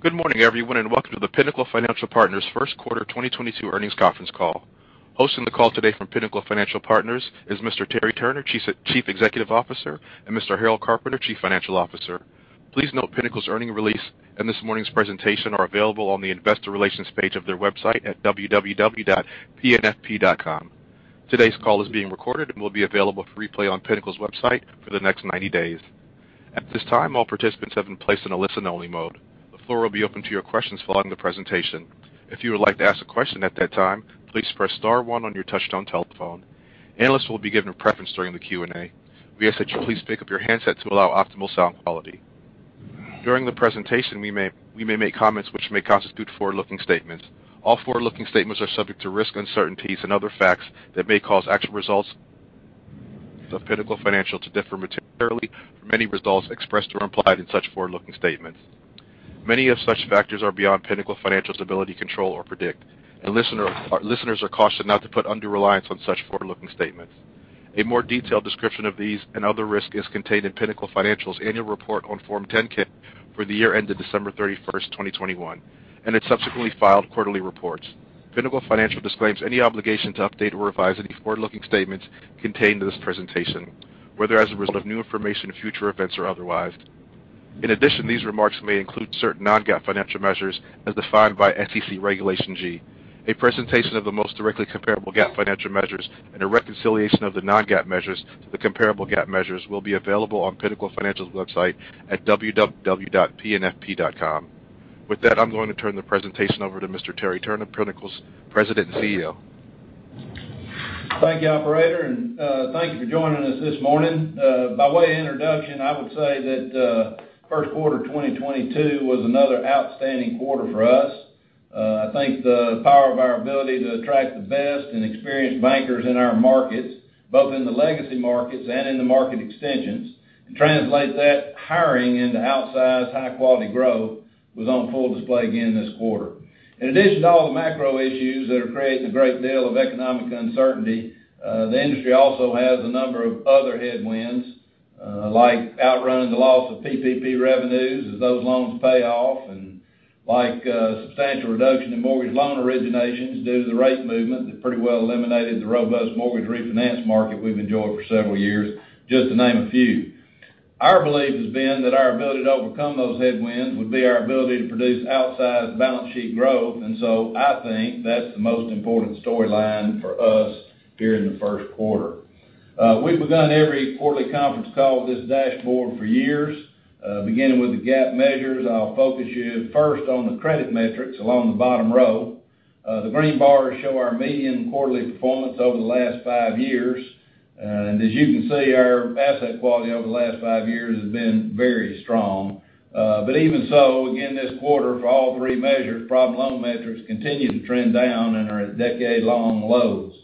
Good morning, everyone, and welcome to the Pinnacle Financial Partners first quarter 2022 earnings conference call. Hosting the call today from Pinnacle Financial Partners is Mr. Terry Turner, Chief Executive Officer, and Mr. Harold Carpenter, Chief Financial Officer. Please note Pinnacle's earnings release and this morning's presentation are available on the Investor Relations page of their website at www.pnfp.com. Today's call is being recorded and will be available for replay on Pinnacle's website for the next 90 days. At this time, all participants have been placed in a listen-only mode. The floor will be open to your questions following the presentation. If you would like to ask a question at that time, please press star one on your touch-tone telephone. Analysts will be given a preference during the Q&A. We ask that you please pick up your handset to allow optimal sound quality. During the presentation, we may make comments which may constitute forward-looking statements. All forward-looking statements are subject to risk, uncertainties and other facts that may cause actual results of Pinnacle Financial to differ materially from any results expressed or implied in such forward-looking statements. Many of such factors are beyond Pinnacle Financial's ability, control, or predict, and listeners are cautioned not to put undue reliance on such forward-looking statements. A more detailed description of these and other risks is contained in Pinnacle Financial's annual report on Form 10-K for the year ended December 31st 2021, and its subsequently filed quarterly reports. Pinnacle Financial disclaims any obligation to update or revise any forward-looking statements contained in this presentation, whether as a result of new information in future events or otherwise. In addition, these remarks may include certain non-GAAP financial measures as defined by SEC Regulation G. A presentation of the most directly comparable GAAP financial measures and a reconciliation of the non-GAAP measures to the comparable GAAP measures will be available on Pinnacle Financial's website at www.pnfp.com. With that, I'm going to turn the presentation over to Mr. Terry Turner, Pinnacle's President and CEO. Thank you, operator, and thank you for joining us this morning. By way of introduction, I would say that first quarter 2022 was another outstanding quarter for us. I think the power of our ability to attract the best and experienced bankers in our markets, both in the legacy markets and in the market extensions, and translate that hiring into outsized, high quality growth was on full display again this quarter. In addition to all the macro issues that are creating a great deal of economic uncertainty, the industry also has a number of other headwinds, like outrunning the loss of PPP revenues as those loans pay off, and like substantial reduction in mortgage loan originations due to the rate movement that pretty well eliminated the robust mortgage refinance market we've enjoyed for several years, just to name a few. Our belief has been that our ability to overcome those headwinds would be our ability to produce outsized balance sheet growth. I think that's the most important storyline for us here in the first quarter. We've begun every quarterly conference call with this dashboard for years. Beginning with the GAAP measures, I'll focus you first on the credit metrics along the bottom row. The green bars show our median quarterly performance over the last five years. As you can see, our asset quality over the last five years has been very strong. Even so, again this quarter for all three measures, problem loan metrics continue to trend down and are at decade-long lows.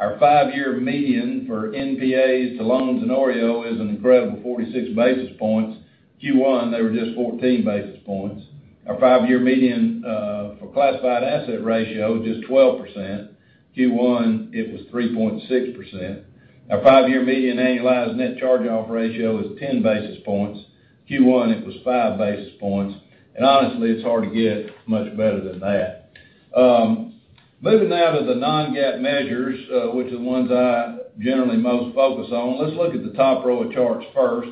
Our five-year median for NPAs to loans and OREO is an incredible 46 basis points. Q1, they were just 14 basis points. Our five-year median for classified asset ratio is 12%. Q1, it was 3.6%. Our five-year median annualized net charge off ratio is 10 basis points. Q1, it was 5 basis points. Honestly, it's hard to get much better than that. Moving now to the non-GAAP measures, which are the ones I generally most focus on, let's look at the top row of charts first.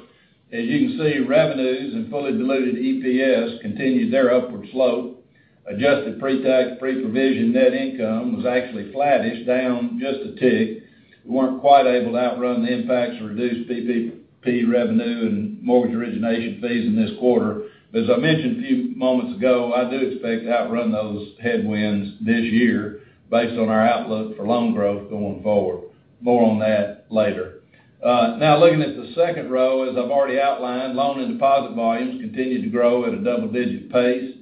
As you can see, revenues and fully diluted EPS continued their upward slope. Adjusted pre-tax, pre-provision net income was actually flattish, down just a tick. We weren't quite able to outrun the impacts of reduced PPP revenue and mortgage origination fees in this quarter. As I mentioned a few moments ago, I do expect to outrun those headwinds this year based on our outlook for loan growth going forward. More on that later. Now looking at the second row, as I've already outlined, loan and deposit volumes continued to grow at a double-digit pace.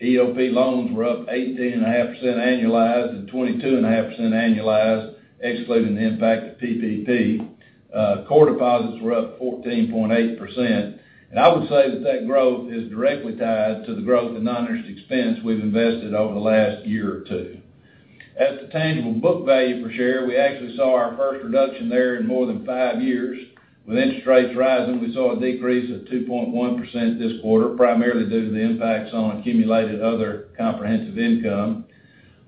EOP loans were up 18.5% annualized, and 22.5% annualized, excluding the impact of PPP. Core deposits were up 14.8%. I would say that growth is directly tied to the growth in non-interest expense we've invested over the last year or two. As the tangible book value per share, we actually saw our first reduction there in more than five years. With interest rates rising, we saw a decrease of 2.1% this quarter, primarily due to the impacts on accumulated other comprehensive income.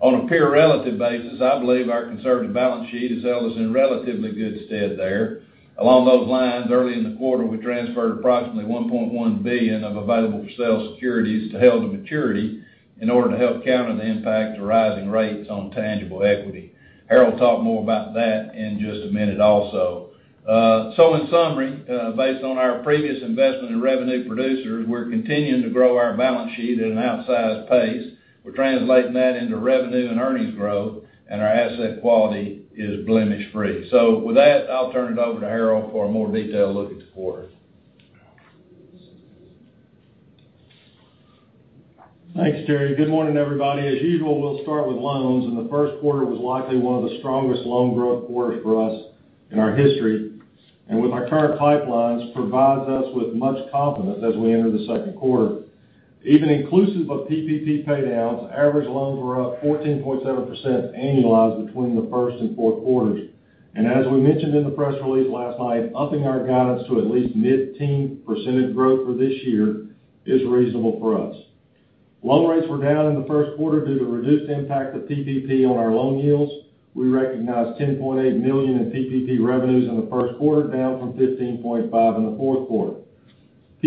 On a pure relative basis, I believe our conservative balance sheet has held us in relatively good stead there. Along those lines, early in the quarter, we transferred approximately $1.1 billion of available-for-sale securities to held-to-maturity in order to help counter the impact of rising rates on tangible equity. Harold will talk more about that in just a minute also. In summary, based on our previous investment in revenue producers, we're continuing to grow our balance sheet at an outsized pace. We're translating that into revenue and earnings growth, and our asset quality is blemish-free. With that, I'll turn it over to Harold for a more detailed look at the quarter. Thanks, Terry. Good morning, everybody. As usual, we'll start with loans, and the first quarter was likely one of the strongest loan growth quarters for us in our history, and with our current pipelines, provides us with much confidence as we enter the second quarter. Even inclusive of PPP paydowns, average loans were up 14.7% annualized between the first and fourth quarters. As we mentioned in the press release last night, upping our guidance to at least mid-teen % growth for this year is reasonable for us. Loan rates were down in the first quarter due to reduced impact of PPP on our loan yields. We recognized $10.8 million in PPP revenues in the first quarter, down from $15.5 million in the fourth quarter.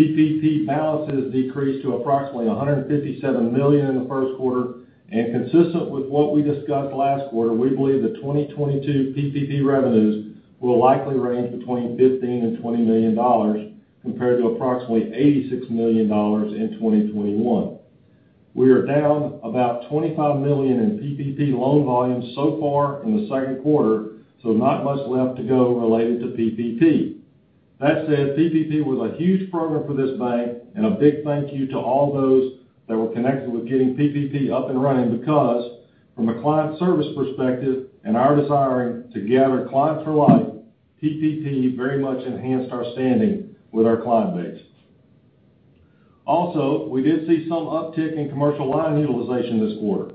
PPP balances decreased to approximately $157 million in the first quarter, and consistent with what we discussed last quarter, we believe that 2022 PPP revenues will likely range between $15 million and $20 million, compared to approximately $86 million in 2021. We are down about $25 million in PPP loan volumes so far in the second quarter, so not much left to go related to PPP. That said, PPP was a huge program for this bank and a big thank you to all those that were connected with getting PPP up and running because from a client service perspective and our desiring to gather clients for life, PPP very much enhanced our standing with our client base. Also, we did see some uptick in commercial line utilization this quarter.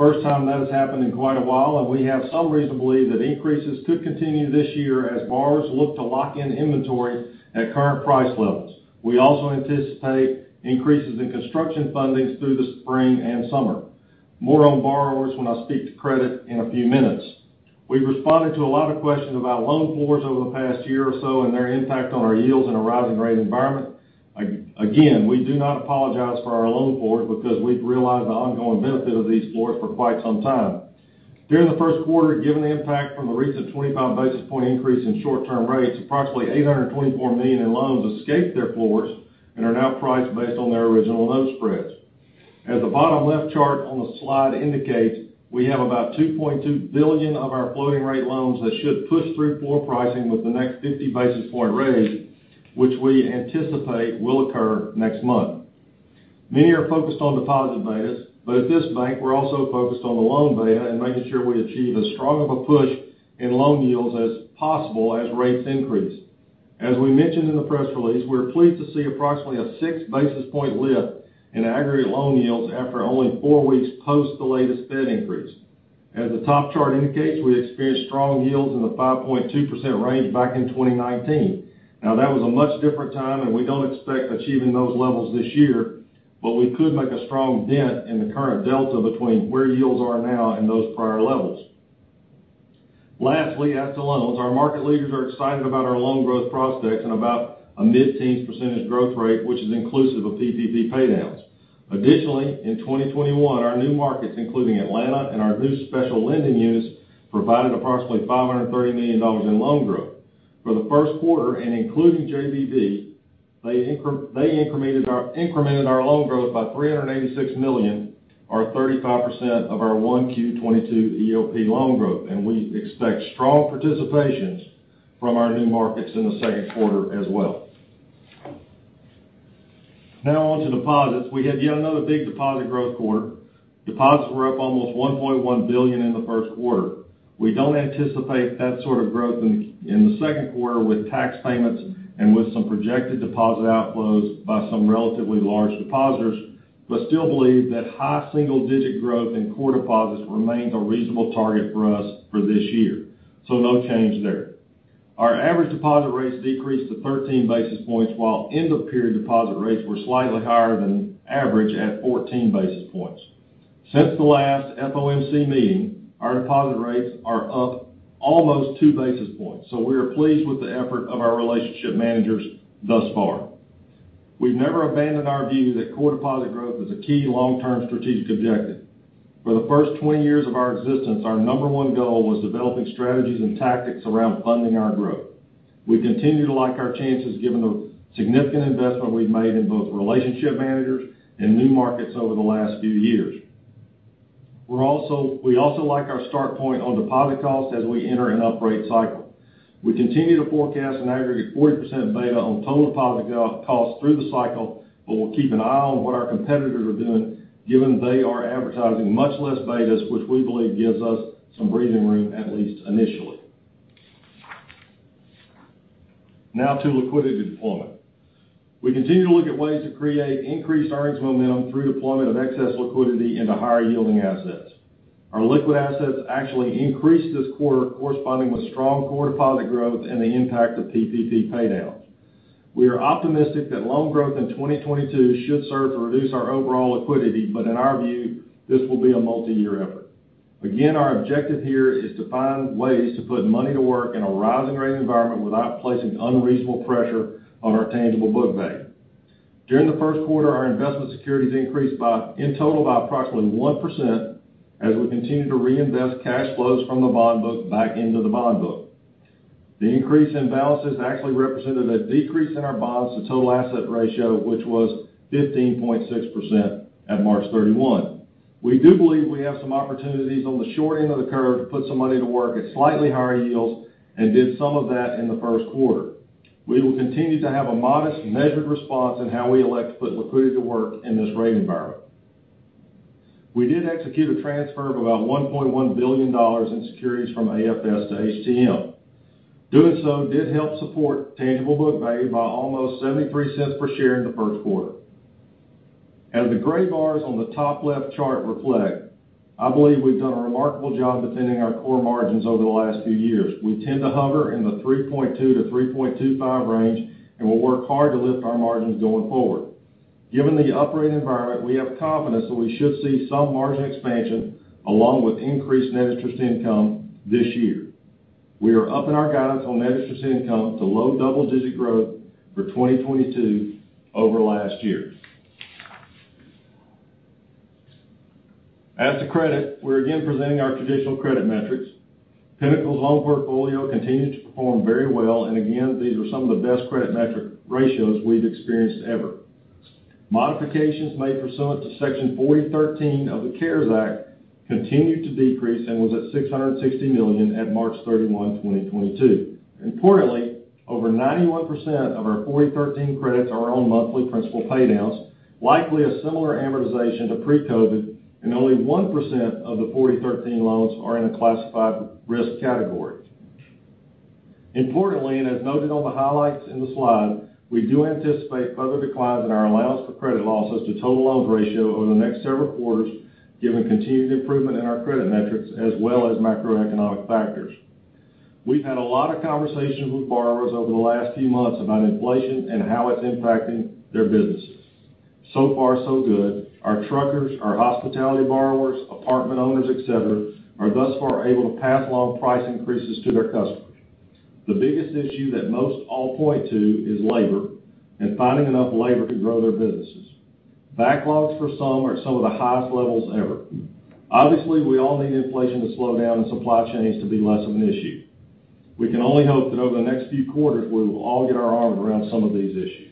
First time that has happened in quite a while, and we have some reason to believe that increases could continue this year as borrowers look to lock in inventory at current price levels. We also anticipate increases in construction fundings through the spring and summer. More on borrowers when I speak to credit in a few minutes. We've responded to a lot of questions about loan floors over the past year or so and their impact on our yields in a rising rate environment. Again, we do not apologize for our loan floors because we've realized the ongoing benefit of these floors for quite some time. During the first quarter, given the impact from the recent 25 basis point increase in short-term rates, approximately $824 million in loans escaped their floors and are now priced based on their original loan spreads. As the bottom left chart on the slide indicates, we have about $2.2 billion of our floating rate loans that should push through floor pricing with the next 50 basis point raise, which we anticipate will occur next month. Many are focused on deposit betas, but at this bank, we're also focused on the loan beta and making sure we achieve as strong of a push in loan yields as possible as rates increase. As we mentioned in the press release, we're pleased to see approximately a six basis point lift in aggregate loan yields after only four weeks post the latest Fed increase. As the top chart indicates, we experienced strong yields in the 5.2% range back in 2019. Now, that was a much different time, and we don't expect achieving those levels this year, but we could make a strong dent in the current delta between where yields are now and those prior levels. Lastly, as to loans, our market leaders are excited about our loan growth prospects and about a mid-teens % growth rate, which is inclusive of PPP pay downs. Additionally, in 2021, our new markets, including Atlanta and our new special lending units, provided approximately $530 million in loan growth. For the first quarter and including JB&D, they incremented our loan growth by $386 million or 35% of our 1Q 2022 EOP loan growth, and we expect strong participations from our new markets in the second quarter as well. Now on to deposits. We had yet another big deposit growth quarter. Deposits were up almost $1.1 billion in the first quarter. We don't anticipate that sort of growth in the second quarter with tax payments and with some projected deposit outflows by some relatively large depositors, but still believe that high single digit growth in core deposits remains a reasonable target for us for this year. So no change there. Our average deposit rates decreased to 13 basis points, while end of period deposit rates were slightly higher than average at 14 basis points. Since the last FOMC meeting, our deposit rates are up almost 2 basis points. We are pleased with the effort of our relationship managers thus far. We've never abandoned our view that core deposit growth is a key long-term strategic objective. For the first 20 years of our existence, our number one goal was developing strategies and tactics around funding our growth. We continue to like our chances given the significant investment we've made in both relationship managers and new markets over the last few years. We also like our start point on deposit costs as we enter an uprate cycle. We continue to forecast an aggregate 40% beta on total deposit costs through the cycle, but we'll keep an eye on what our competitors are doing given they are advertising much less betas, which we believe gives us some breathing room, at least initially. Now to liquidity deployment. We continue to look at ways to create increased earnings momentum through deployment of excess liquidity into higher yielding assets. Our liquid assets actually increased this quarter corresponding with strong core deposit growth and the impact of PPP pay downs. We are optimistic that loan growth in 2022 should serve to reduce our overall liquidity, but in our view, this will be a multi-year effort. Again, our objective here is to find ways to put money to work in a rising rate environment without placing unreasonable pressure on our tangible book value. During the first quarter, our investment securities increased by in total about approximately 1% as we continue to reinvest cash flows from the bond book back into the bond book. The increase in balances actually represented a decrease in our bonds to total asset ratio, which was 15.6% at March 31. We do believe we have some opportunities on the short end of the curve to put some money to work at slightly higher yields and did some of that in the first quarter. We will continue to have a modest measured response in how we elect to put liquidity to work in this rate environment. We did execute a transfer of about $1.1 billion in securities from AFS to HTM. Doing so did help support tangible book value by almost $0.73 per share in the first quarter. As the gray bars on the top left chart reflect, I believe we've done a remarkable job defending our core margins over the last few years. We tend to hover in the 3.2%-3.25% range, and we'll work hard to lift our margins going forward. Given the operating environment, we have confidence that we should see some margin expansion along with increased net interest income this year. We are upping our guidance on net interest income to low double-digit growth for 2022 over last year. As to credit, we're again presenting our traditional credit metrics. Pinnacle's loan portfolio continued to perform very well, and again, these were some of the best credit metric ratios we've experienced ever. Modifications made pursuant to Section 4013 of the CARES Act continued to decrease and was at $660 million at March 31, 2022. Importantly, over 91% of our Section 4013 credits are on monthly principal pay downs, likely a similar amortization to pre-COVID, and only 1% of the Section 4013 loans are in a classified risk category. Importantly, as noted on the highlights in the slide, we do anticipate further declines in our allowance for credit losses to total loan ratio over the next several quarters, given continued improvement in our credit metrics as well as macroeconomic factors. We've had a lot of conversations with borrowers over the last few months about inflation and how it's impacting their businesses. So far, so good. Our truckers, our hospitality borrowers, apartment owners, et cetera, are thus far able to pass along price increases to their customers. The biggest issue that most all point to is labor and finding enough labor to grow their businesses. Backlogs for some are some of the highest levels ever. Obviously, we all need inflation to slow down and supply chains to be less of an issue. We can only hope that over the next few quarters, we will all get our arms around some of these issues.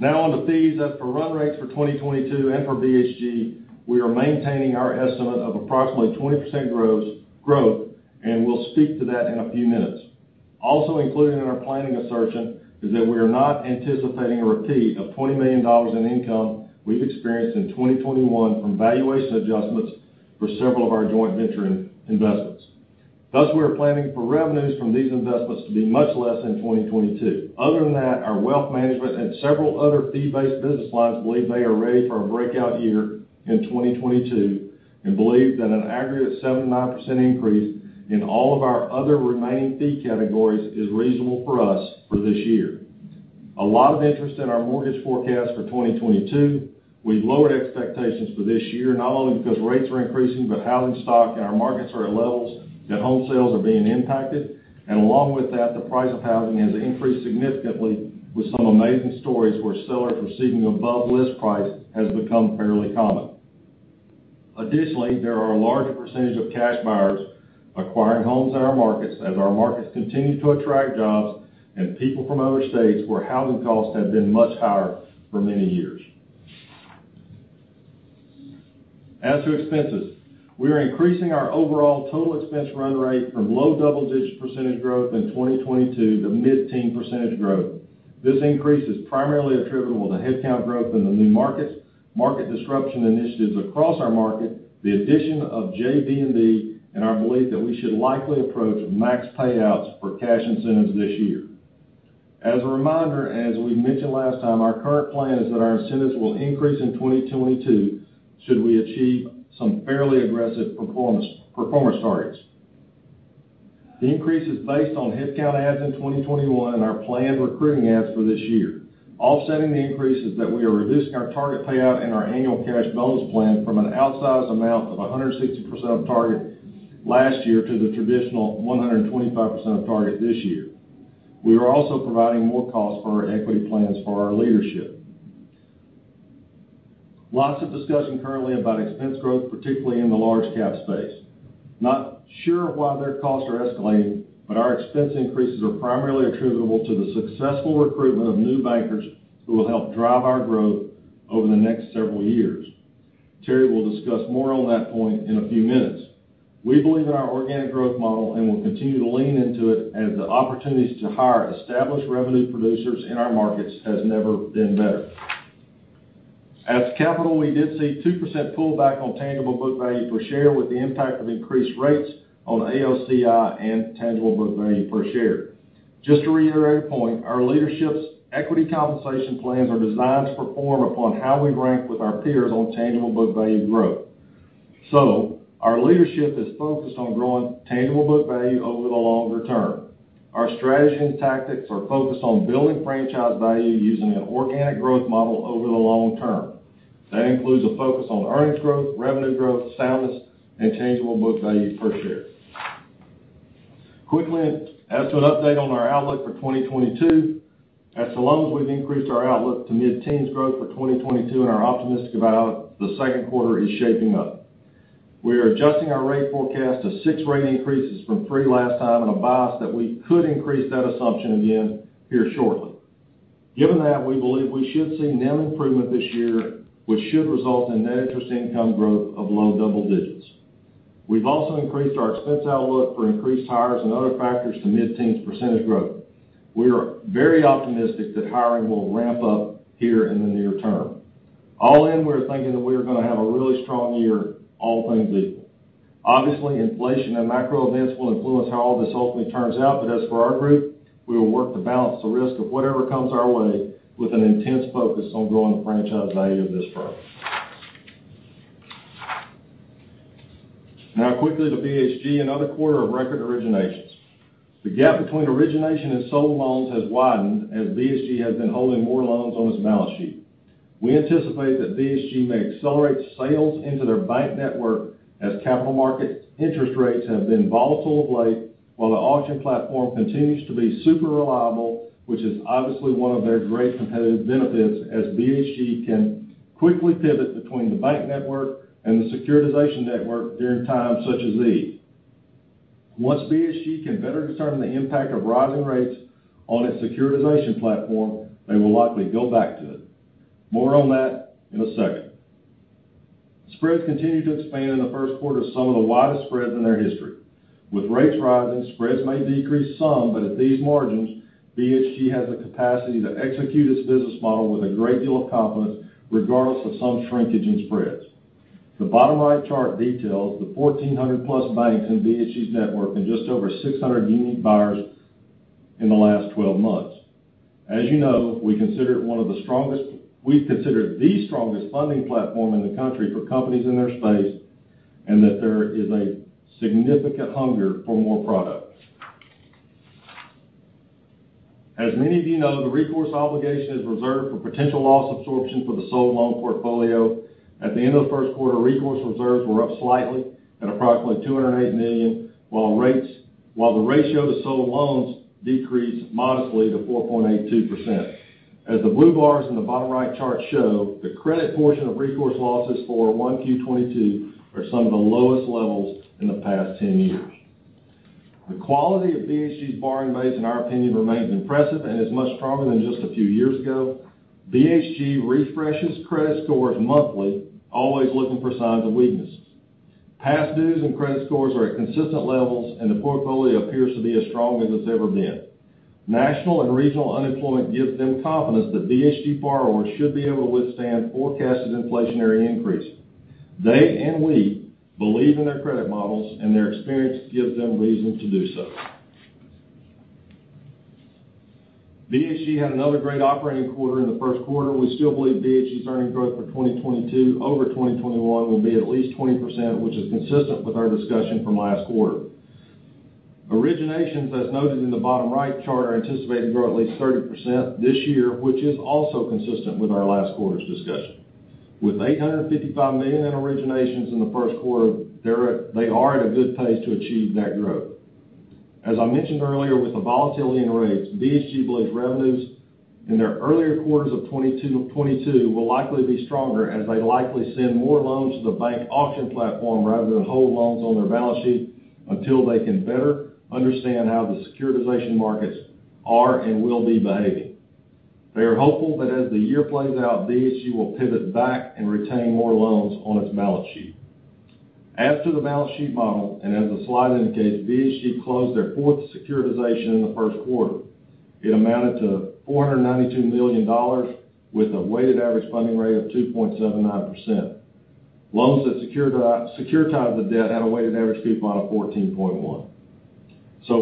Now on to fees. As for run rates for 2022 and for BHG, we are maintaining our estimate of approximately 20% growth, and we'll speak to that in a few minutes. Also included in our planning assertion is that we are not anticipating a repeat of $20 million in income we've experienced in 2021 from valuation adjustments for several of our joint venturing investments. Thus, we are planning for revenues from these investments to be much less in 2022. Other than that, our Wealth Management and several other fee-based business lines believe they are ready for a breakout year in 2022 and believe that an aggregate 79% increase in all of our other remaining fee categories is reasonable for us for this year. A lot of interest in our mortgage forecast for 2022. We've lowered expectations for this year, not only because rates are increasing, but housing stock and our markets are at levels that home sales are being impacted. Along with that, the price of housing has increased significantly with some amazing stories where sellers receiving above list price has become fairly common. Additionally, there are a larger percentage of cash buyers acquiring homes in our markets as our markets continue to attract jobs and people from other states where housing costs have been much higher for many years. As to expenses, we are increasing our overall total expense run rate from low double-digit % growth in 2022 to mid-teen % growth. This increase is primarily attributable to headcount growth in the new markets, market disruption initiatives across our market, the addition of JB&D, and our belief that we should likely approach max payouts for cash incentives this year. As a reminder, as we mentioned last time, our current plan is that our incentives will increase in 2022 should we achieve some fairly aggressive performance targets. The increase is based on headcount adds in 2021 and our planned recruiting adds for this year. Offsetting the increase is that we are reducing our target payout in our annual cash bonus plan from an outsized amount of 160% of target last year to the traditional 125% of target this year. We are also providing more costs for our equity plans for our leadership. Lots of discussion currently about expense growth, particularly in the large cap space. Not sure why their costs are escalating, but our expense increases are primarily attributable to the successful recruitment of new bankers who will help drive our growth over the next several years. Terry will discuss more on that point in a few minutes. We believe in our organic growth model and will continue to lean into it as the opportunities to hire established revenue producers in our markets has never been better. On capital, we did see 2% pullback on tangible book value per share with the impact of increased rates on AOCI and tangible book value per share. Just to reiterate a point, our leadership's equity compensation plans are designed to perform upon how we rank with our peers on tangible book value growth. Our leadership is focused on growing tangible book value over the longer term. Our strategy and tactics are focused on building franchise value using an organic growth model over the long term. That includes a focus on earnings growth, revenue growth, soundness, and tangible book value per share. Quickly, as to an update on our outlook for 2022, as to loans, we've increased our outlook to mid-teens growth for 2022 and are optimistic about how the second quarter is shaping up. We are adjusting our rate forecast to six rate increases from three last time and a bias that we could increase that assumption again here shortly. Given that, we believe we should see NIM improvement this year, which should result in net interest income growth of low double digits. We've also increased our expense outlook for increased hires and other factors to mid-teens % growth. We are very optimistic that hiring will ramp up here in the near term. All in, we're thinking that we are gonna have a really strong year, all things equal. Obviously, inflation and macro events will influence how all this ultimately turns out, but as for our group, we will work to balance the risk of whatever comes our way with an intense focus on growing the franchise value of this firm. Now quickly to BHG, another quarter of record originations. The gap between origination and sold loans has widened as BHG has been holding more loans on its balance sheet. We anticipate that BHG may accelerate sales into their bank network as capital market interest rates have been volatile of late, while the auction platform continues to be super reliable, which is obviously one of their great competitive benefits as BHG can quickly pivot between the bank network and the securitization network during times such as these. Once BHG can better discern the impact of rising rates on its securitization platform, they will likely go back to it. More on that in a second. Spreads continued to expand in the first quarter, some of the widest spreads in their history. With rates rising, spreads may decrease some, but at these margins, BHG has the capacity to execute its business model with a great deal of confidence, regardless of some shrinkage in spreads. The bottom right chart details the 1,400+ banks in BHG's network and just over 600 unique buyers in the last 12 months. As you know, we consider it the strongest funding platform in the country for companies in their space, and that there is a significant hunger for more products. As many of you know, the recourse obligation is reserved for potential loss absorption for the sold loan portfolio. At the end of the first quarter, recourse reserves were up slightly at approximately $208 million, while the ratio to sold loans decreased modestly to 4.82%. As the blue bars in the bottom right chart show, the credit portion of recourse losses for 1Q22 are some of the lowest levels in the past 10 years. The quality of BHG's borrowing base, in our opinion, remains impressive and is much stronger than just a few years ago. BHG refreshes credit scores monthly, always looking for signs of weakness. Past dues and credit scores are at consistent levels, and the portfolio appears to be as strong as it's ever been. National and regional unemployment gives them confidence that BHG borrowers should be able to withstand forecasted inflationary increase. They and we believe in their credit models, and their experience gives them reason to do so. BHG had another great operating quarter in the first quarter. We still believe BHG's earnings growth for 2022, over 2021, will be at least 20%, which is consistent with our discussion from last quarter. Originations, as noted in the bottom right chart, are anticipated to grow at least 30% this year, which is also consistent with our last quarter's discussion. With $855 million in originations in the first quarter, they are at a good pace to achieve that growth. As I mentioned earlier, with the volatility in rates, BHG believes revenues in their earlier quarters of 2022 will likely be stronger as they likely send more loans to the bank auction platform rather than hold loans on their balance sheet until they can better understand how the securitization markets are and will be behaving. They are hopeful that as the year plays out, BHG will pivot back and retain more loans on its balance sheet. As to the balance sheet model, and as the slide indicates, BHG closed their fourth securitization in the first quarter. It amounted to $492 million with a weighted average funding rate of 2.79%. Loans that securitized the debt had a weighted average fee model of 14.1.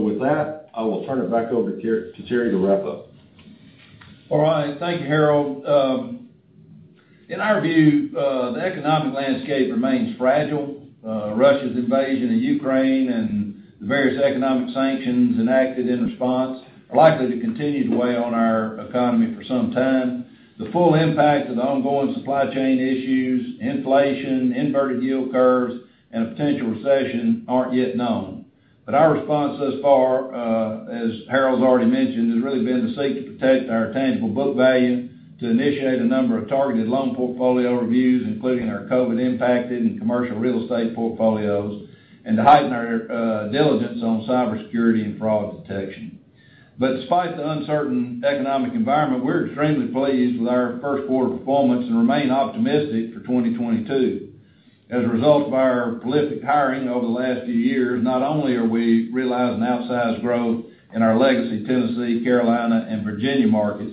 With that, I will turn it back over to Terry to wrap up. All right. Thank you, Harold. In our view, the economic landscape remains fragile. Russia's invasion of Ukraine and the various economic sanctions enacted in response are likely to continue to weigh on our economy for some time. The full impact of the ongoing supply chain issues, inflation, inverted yield curves, and a potential recession aren't yet known. Our response thus far, as Harold's already mentioned, has really been to seek to protect our tangible book value, to initiate a number of targeted loan portfolio reviews, including our COVID impacted and commercial real estate portfolios, and to heighten our diligence on cybersecurity and fraud detection. Despite the uncertain economic environment, we're extremely pleased with our first quarter performance and remain optimistic for 2022. As a result of our prolific hiring over the last few years, not only are we realizing outsized growth in our legacy Tennessee, Carolina, and Virginia markets,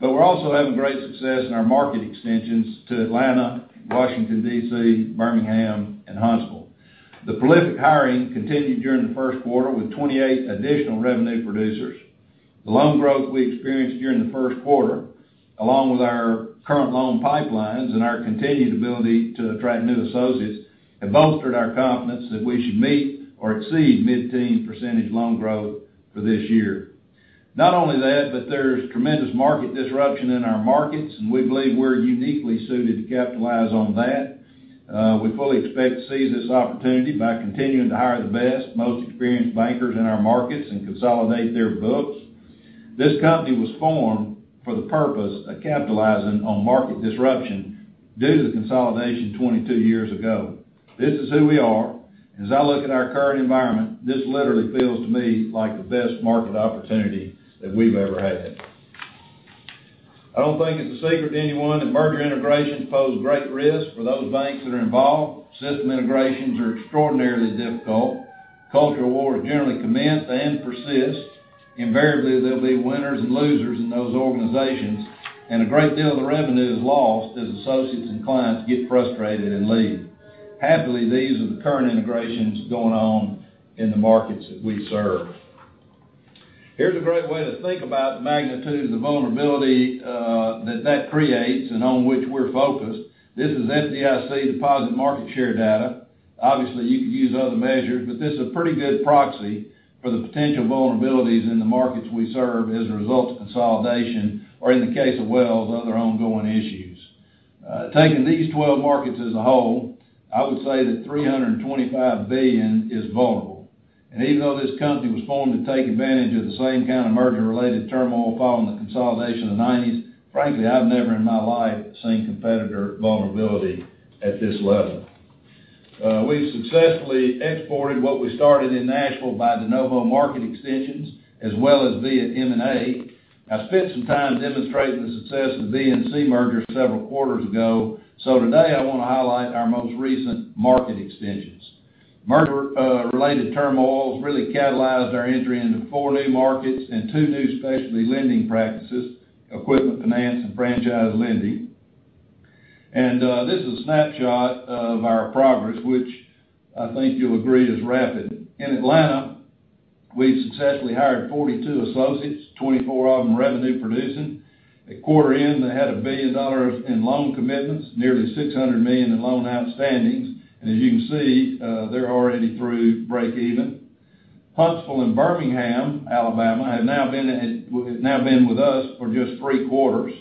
but we're also having great success in our market extensions to Atlanta, Washington, D.C., Birmingham, and Huntsville. The prolific hiring continued during the first quarter with 28 additional revenue producers. The loan growth we experienced during the first quarter, along with our current loan pipelines and our continued ability to attract new associates, have bolstered our confidence that we should meet or exceed mid-teen % loan growth for this year. Not only that, but there's tremendous market disruption in our markets, and we believe we're uniquely suited to capitalize on that. We fully expect to seize this opportunity by continuing to hire the best, most experienced bankers in our markets and consolidate their books. This company was formed for the purpose of capitalizing on market disruption due to the consolidation 22 years ago. This is who we are, and as I look at our current environment, this literally feels to me like the best market opportunity that we've ever had. I don't think it's a secret to anyone that merger integrations pose great risk for those banks that are involved. System integrations are extraordinarily difficult. Cultural wars generally commence and persist. Invariably, there'll be winners and losers in those organizations, and a great deal of the revenue is lost as associates and clients get frustrated and leave. Happily, these are the current integrations going on in the markets that we serve. Here's a great way to think about the magnitude of the vulnerability that creates and on which we're focused. This is FDIC deposit market share data. Obviously, you could use other measures, but this is a pretty good proxy for the potential vulnerabilities in the markets we serve as a result of consolidation, or in the case of Wells, other ongoing issues. Taking these 12 markets as a whole, I would say that $325 billion is vulnerable. Even though this company was formed to take advantage of the same kind of merger-related turmoil following the consolidation of the 1990s, frankly, I've never in my life seen competitor vulnerability at this level. We've successfully exported what we started in Nashville by de novo market extensions as well as via M&A. I spent some time demonstrating the success of the BNC merger several quarters ago, so today I wanna highlight our most recent market extensions. Merger-related turmoils really catalyzed our entry into four new markets and two new specialty lending practices, equipment finance and franchise lending. This is a snapshot of our progress, which I think you'll agree is rapid. In Atlanta, we've successfully hired 42 associates, 24 of them revenue producing. At quarter end, they had $1 billion in loan commitments, nearly $600 million in loan outstandings. As you can see, they're already through break even. Huntsville and Birmingham, Alabama, have now been with us for just 3 quarters.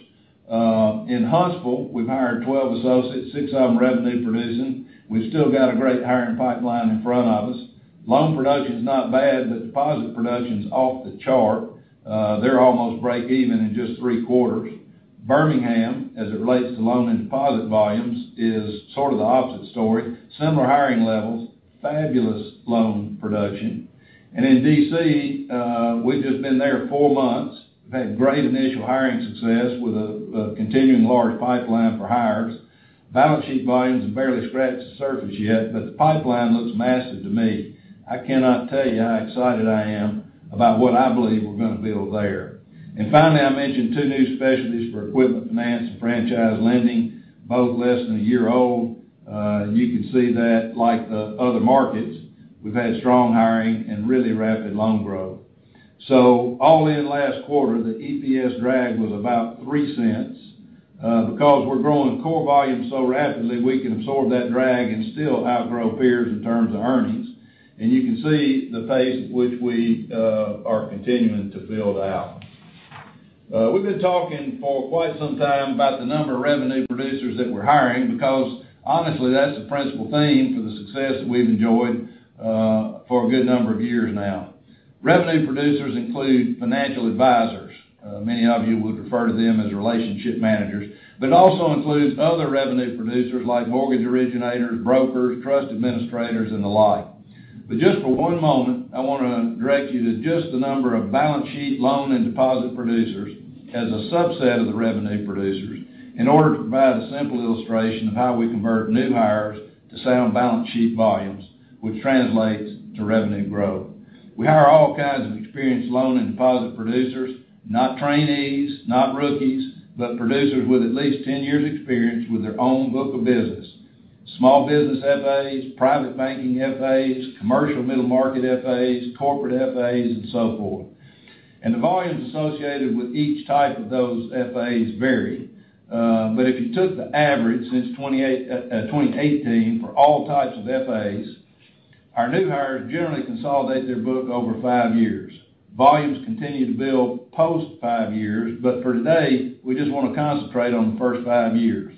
In Huntsville, we've hired 12 associates, six of them revenue producing. We've still got a great hiring pipeline in front of us. Loan production's not bad, but deposit production's off the chart. They're almost break even in just three quarters. Birmingham, as it relates to loan and deposit volumes, is sort of the opposite story. Similar hiring levels, fabulous loan production. In D.C., we've just been there four months. We've had great initial hiring success with a continuing large pipeline for hires. Balance sheet volumes have barely scratched the surface yet, but the pipeline looks massive to me. I cannot tell you how excited I am about what I believe we're gonna build there. Finally, I mentioned two new specialties for equipment finance and franchise lending, both less than a year old. And you can see that like the other markets, we've had strong hiring and really rapid loan growth. All in last quarter, the EPS drag was about $0.03. Because we're growing core volumes so rapidly, we can absorb that drag and still outgrow peers in terms of earnings. You can see the pace at which we are continuing to build out. We've been talking for quite some time about the number of revenue producers that we're hiring because, honestly, that's the principal theme for the success that we've enjoyed for a good number of years now. Revenue producers include financial advisors. Many of you would refer to them as relationship managers, but it also includes other revenue producers like mortgage originators, brokers, trust administrators, and the like. Just for one moment, I wanna direct you to just the number of balance sheet loan and deposit producers as a subset of the revenue producers in order to provide a simple illustration of how we convert new hires to sound balance sheet volumes, which translates to revenue growth. We hire all kinds of experienced loan and deposit producers, not trainees, not rookies, but producers with at least 10 years experience with their own book of business, small business FAs, private banking FAs, commercial middle market FAs, corporate FAs and so forth. The volumes associated with each type of those FAs vary. If you took the average since 2018 for all types of FAs, our new hires generally consolidate their book over five years. Volumes continue to build post five years, but for today, we just wanna concentrate on the first five years.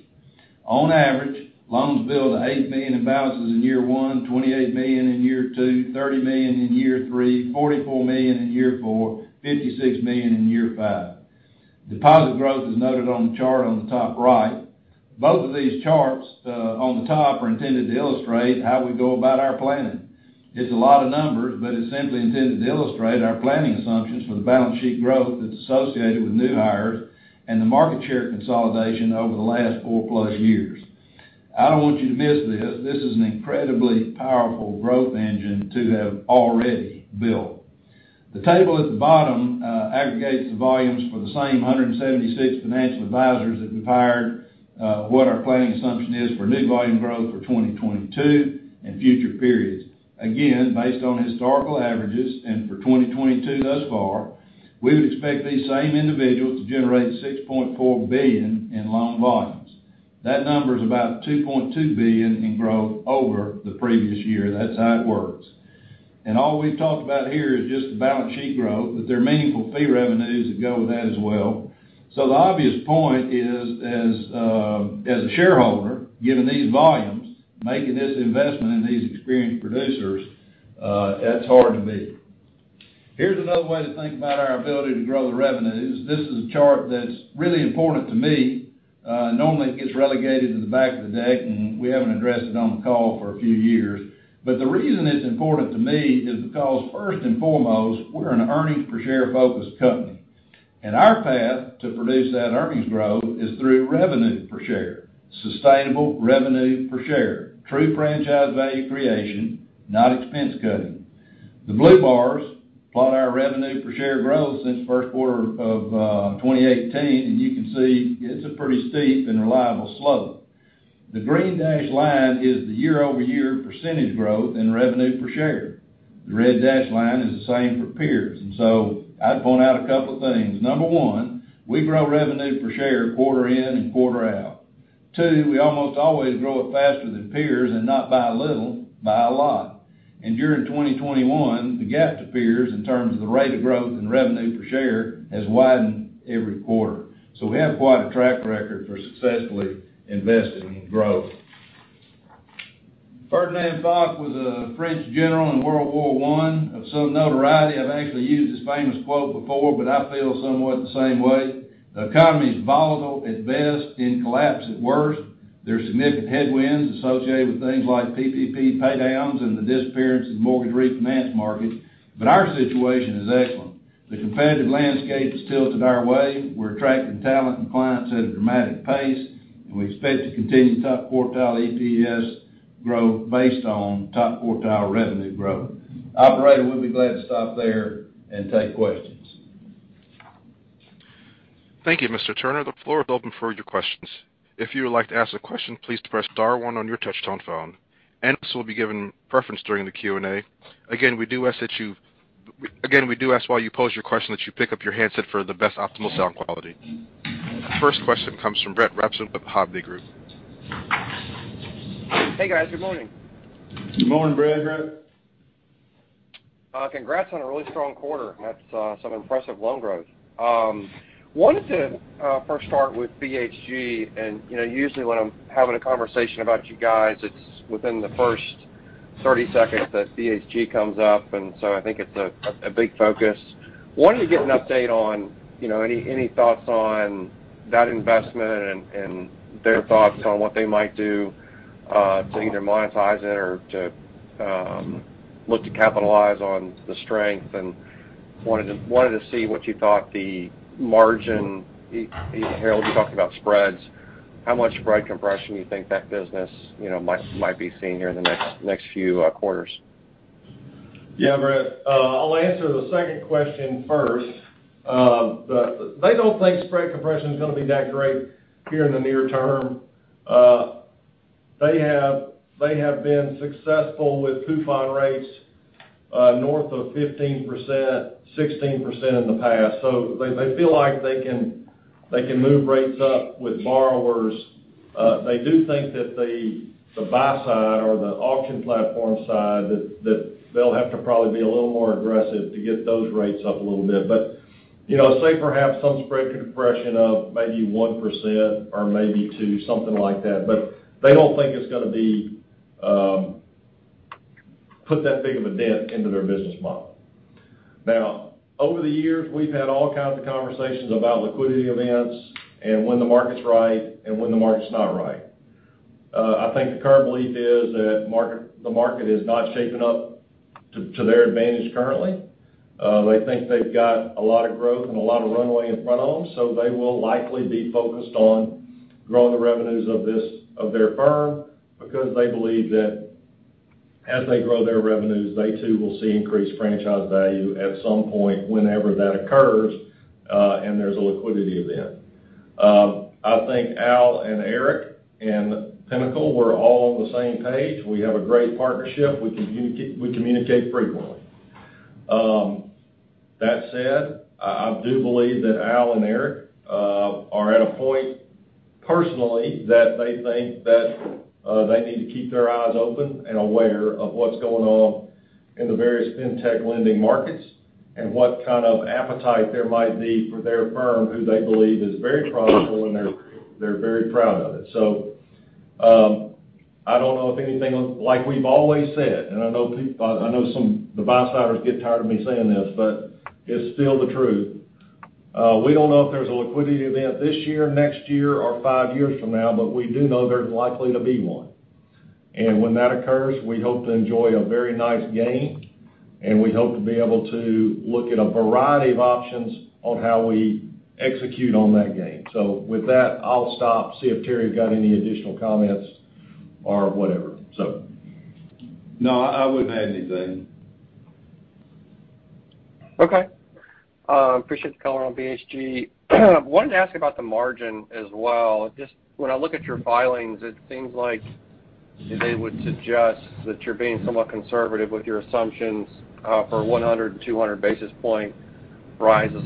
On average, loans build to $8 million in balances in year one, $28 million in year two, $30 million in year three, $44 million in year four, $56 million in year five. Deposit growth is noted on the chart on the top right. Both of these charts on the top are intended to illustrate how we go about our planning. It's a lot of numbers, but it's simply intended to illustrate our planning assumptions for the balance sheet growth that's associated with new hires and the market share consolidation over the last four plus years. I don't want you to miss this. This is an incredibly powerful growth engine to have already built. The table at the bottom aggregates the volumes for the same 176 financial advisors that we've hired what our planning assumption is for new volume growth for 2022 and future periods. Again, based on historical averages and for 2022 thus far, we would expect these same individuals to generate $6.4 billion in loan volumes. That number is about $2.2 billion in growth over the previous year. That's how it works. All we've talked about here is just the balance sheet growth, but there are meaningful fee revenues that go with that as well. The obvious point is, as a shareholder, given these volumes, making this investment in these experienced producers, it's hard to beat. Here's another way to think about our ability to grow the revenues. This is a chart that's really important to me. Normally it gets relegated to the back of the deck, and we haven't addressed it on the call for a few years. The reason it's important to me is because first and foremost, we're an earnings per share focused company. Our path to produce that earnings growth is through revenue per share, sustainable revenue per share, true franchise value creation, not expense cutting. The blue bars plot our revenue per share growth since first quarter of 2018, and you can see it's a pretty steep and reliable slope. The green dashed line is the year-over-year percentage growth in revenue per share. The red dashed line is the same for peers. I'd point out a couple of things. Number one, we grow revenue per share quarter in and quarter out. Two, we almost always grow it faster than peers and not by a little, by a lot. During 2021, the gap to peers in terms of the rate of growth in revenue per share has widened every quarter. We have quite a track record for successfully investing in growth. Ferdinand Foch was a French general in World War I of some notoriety. I've actually used his famous quote before, but I feel somewhat the same way. The economy is volatile at best, in collapse at worst. There are significant headwinds associated with things like PPP pay downs and the disappearance of the mortgage refinance market. Our situation is excellent. The competitive landscape has tilted our way. We're attracting talent and clients at a dramatic pace, and we expect to continue top quartile EPS growth based on top quartile revenue growth. Operator, we'll be glad to stop there and take questions. Thank you, Mr. Turner. The floor is open for your questions. If you would like to ask a question, please press star one on your touch-tone phone. Analysts will be given preference during the Q&A. Again, we do ask while you pose your question that you pick up your handset for the best optimal sound quality. First question comes from Brett Rabatin of Hovde Group. Hey, guys. Good morning. Good morning, Brett. Congrats on a really strong quarter. That's some impressive loan growth. Wanted to first start with BHG and, you know, usually when I'm having a conversation about you guys, it's within the first 30 seconds that BHG comes up, and so I think it's a big focus. Wanted to get an update on, you know, any thoughts on that investment and their thoughts on what they might do to either monetize it or to look to capitalize on the strength. Wanted to see what you thought the margin, Harold, you talked about spreads. How much spread compression you think that business, you know, might be seeing here in the next few quarters? Yeah, Brett. I'll answer the second question first. They don't think spread compression is going to be that great here in the near term. They have been successful with coupon rates north of 15%, 16% in the past. So they feel like they can move rates up with borrowers. They do think that the buy side or the auction platform side that they'll have to probably be a little more aggressive to get those rates up a little bit. But you know, say perhaps some spread compression of maybe 1% or maybe 2%, something like that. But they don't think it's going to be put that big of a dent into their business model. Now, over the years, we've had all kinds of conversations about liquidity events and when the market's right and when the market's not right. I think the current belief is that the market is not shaping up to their advantage currently. They think they've got a lot of growth and a lot of runway in front of them. They will likely be focused on growing the revenues of their firm because they believe that as they grow their revenues, they, too, will see increased franchise value at some point whenever that occurs, and there's a liquidity event. I think Al and Eric and Pinnacle were all on the same page. We have a great partnership. We communicate frequently. That said, I do believe that Al and Eric are at a point personally that they think that they need to keep their eyes open and aware of what's going on in the various fintech lending markets and what kind of appetite there might be for their firm, who they believe is very profitable, and they're very proud of it. I don't know. Like we've always said, and I know some of the buy-siders get tired of me saying this, but it's still the truth. We don't know if there's a liquidity event this year, next year, or five years from now, but we do know there's likely to be one. When that occurs, we hope to enjoy a very nice gain, and we hope to be able to look at a variety of options on how we execute on that gain. With that, I'll stop, see if Terry got any additional comments or whatever. No, I wouldn't add anything. Okay. Appreciate the color on BHG. Wanted to ask about the margin as well. Just when I look at your filings, it seems like they would suggest that you're being somewhat conservative with your assumptions for 100-200 basis point rises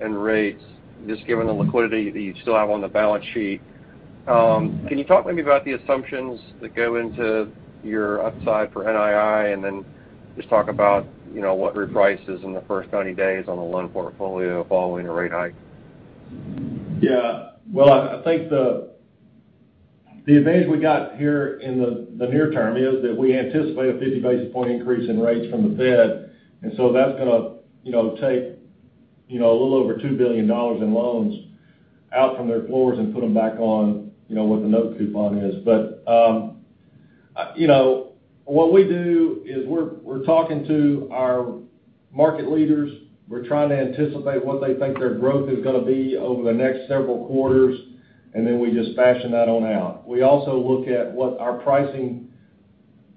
in rates, just given the liquidity that you still have on the balance sheet. Can you talk maybe about the assumptions that go into your upside for NII? And then just talk about, you know, what reprices in the first 90 days on the loan portfolio following a rate hike. Yeah. Well, I think the advantage we got here in the near term is that we anticipate a 50 basis point increase in rates from the Fed. That's gonna, you know, take, you know, a little over $2 billion in loans out from their floors and put them back on, you know, what the note coupon is. You know, what we do is we're talking to our market leaders. We're trying to anticipate what they think their growth is gonna be over the next several quarters, and then we just fashion that on out. We also look at what our pricing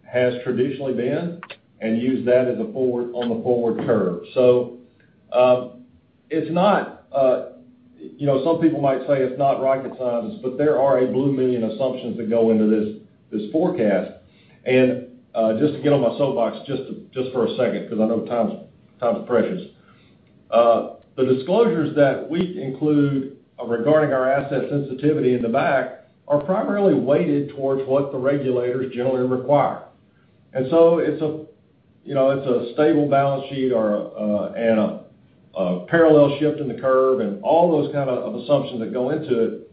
has traditionally been and use that as a forward on the forward curve. It's not, you know, some people might say it's not rocket science, but there are a blue million assumptions that go into this forecast. Just to get on my soapbox just for a second because I know time's precious. The disclosures that we include regarding our asset sensitivity in the back are primarily weighted towards what the regulators generally require. It's, you know, a stable balance sheet or and a parallel shift in the curve and all those kind of assumptions that go into it.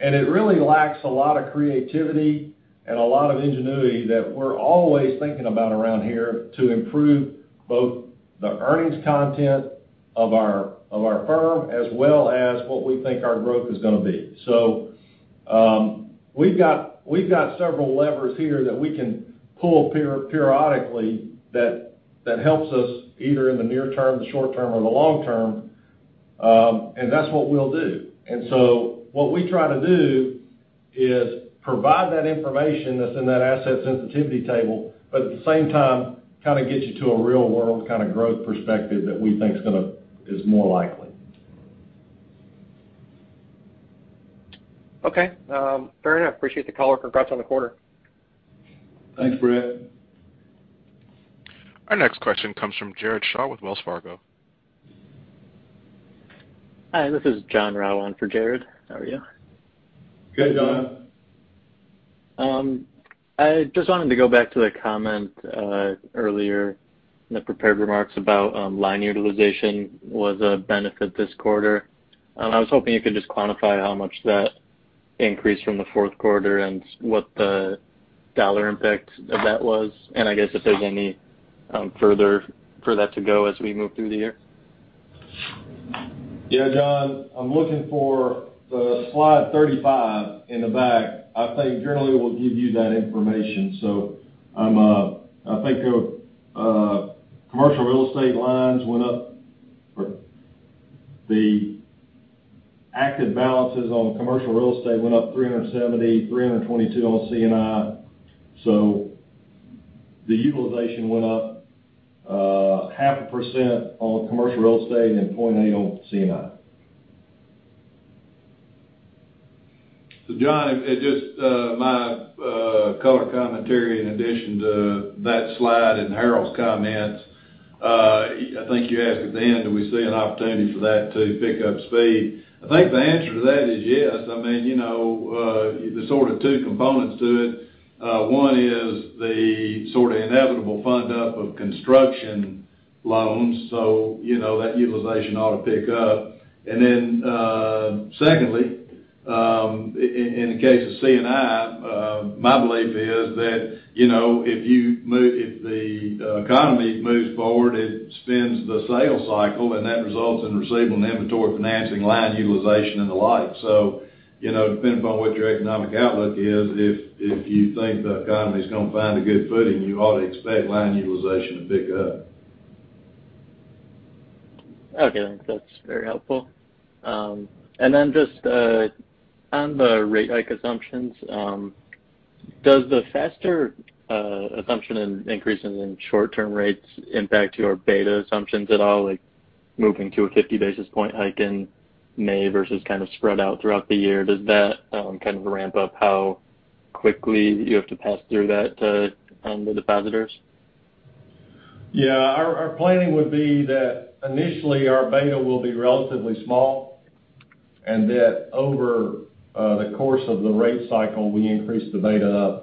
It really lacks a lot of creativity and a lot of ingenuity that we're always thinking about around here to improve both the earnings content of our firm as well as what we think our growth is gonna be. We've got several levers here that we can pull periodically that helps us either in the near-term, the short-term, or the long-term, and that's what we'll do. What we try to do is provide that information that's in that asset sensitivity table, but at the same time, kind of get you to a real-world kind of growth perspective that we think is more likely. Okay. Fair enough. Appreciate the color. Congrats on the quarter. Thanks, Brett. Our next question comes from Jared Shaw with Wells Fargo. Hi, this is John Rowan for Jared. How are you? Good, John. I just wanted to go back to the comment earlier in the prepared remarks about line utilization was a benefit this quarter. I was hoping you could just quantify how much that increased from the fourth quarter and what the dollar impact of that was, and I guess if there's any further for that to go as we move through the year. Yeah, John, I'm looking for the slide 35 in the back. I think it generally will give you that information. I think commercial real estate lines went up. The active balances on commercial real estate went up $370 million, $322 million on C&I. The utilization went up 0.5% on commercial real estate and 0.8% on C&I. John, it's just my color commentary in addition to that slide and Harold's comments. I think you asked at the end, do we see an opportunity for that to pick up speed? I think the answer to that is yes. I mean, you know, there's sort of two components to it. One is the sort of inevitable fund up of construction loans, so you know, that utilization ought to pick up. Secondly, in the case of C&I, my belief is that, you know, if the economy moves forward, it spins the sales cycle, and that results in receivable and inventory financing, line utilization, and the like. You know, depending upon what your economic outlook is, if you think the economy is gonna find a good footing, you ought to expect line utilization to pick up. Okay. That's very helpful. Just on the rate hike assumptions, does the faster assumption in increases in short-term rates impact your beta assumptions at all, like moving to a 50 basis point hike in May versus kind of spread out throughout the year? Does that kind of ramp up how quickly you have to pass through that to the depositors? Yeah. Our planning would be that initially our beta will be relatively small, and that over the course of the rate cycle, we increase the beta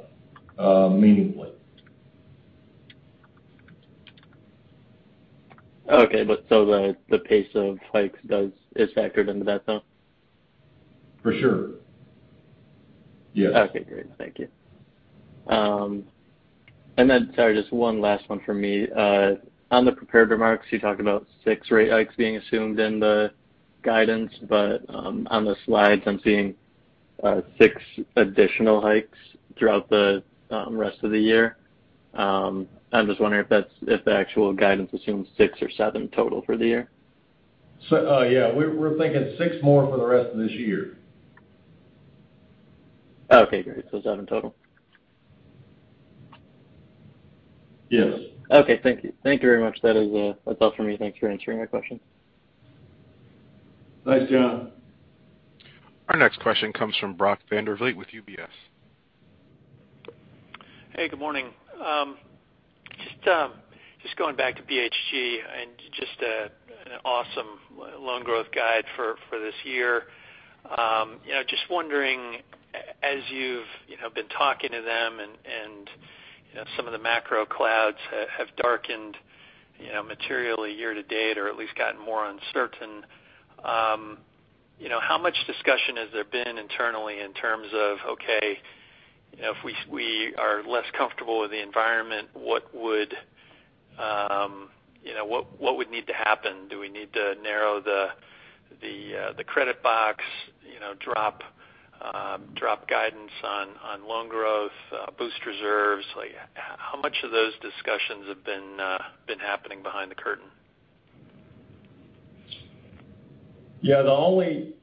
up meaningfully. Okay. The pace of hikes is factored into that, though? For sure. Yes. Okay, great. Thank you. Sorry, just one last one for me. On the prepared remarks, you talked about six rate hikes being assumed in the guidance, but on the slides, I'm seeing six additional hikes throughout the rest of the year. I'm just wondering if the actual guidance assumes six or seven total for the year. Yeah, we're thinking six more for the rest of this year. Okay, great. Seven total. Yes. Okay, thank you. Thank you very much. That is, that's all for me. Thanks for answering my questions. Thanks, John. Our next question comes from Brock Vandervliet with UBS. Hey, good morning. Just going back to BHG and just an awesome loan growth guide for this year. You know, just wondering, as you've, you know, been talking to them and, you know, some of the macro clouds have darkened, you know, materially year to date, or at least gotten more uncertain, you know, how much discussion has there been internally in terms of, okay, if we are less comfortable with the environment, what would, you know, what would need to happen? Do we need to narrow the credit box, you know, drop guidance on loan growth, boost reserves? Like, how much of those discussions have been happening behind the curtain? Yeah, the only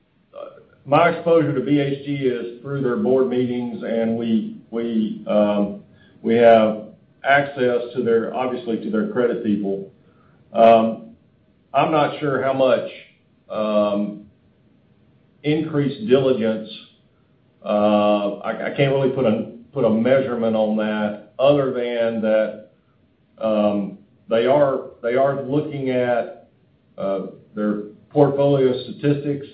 my exposure to BHG is through their Board Meetings, and we have access to their, obviously, to their credit people. I'm not sure how much increased diligence. I can't really put a measurement on that other than that, they are looking at their portfolio statistics.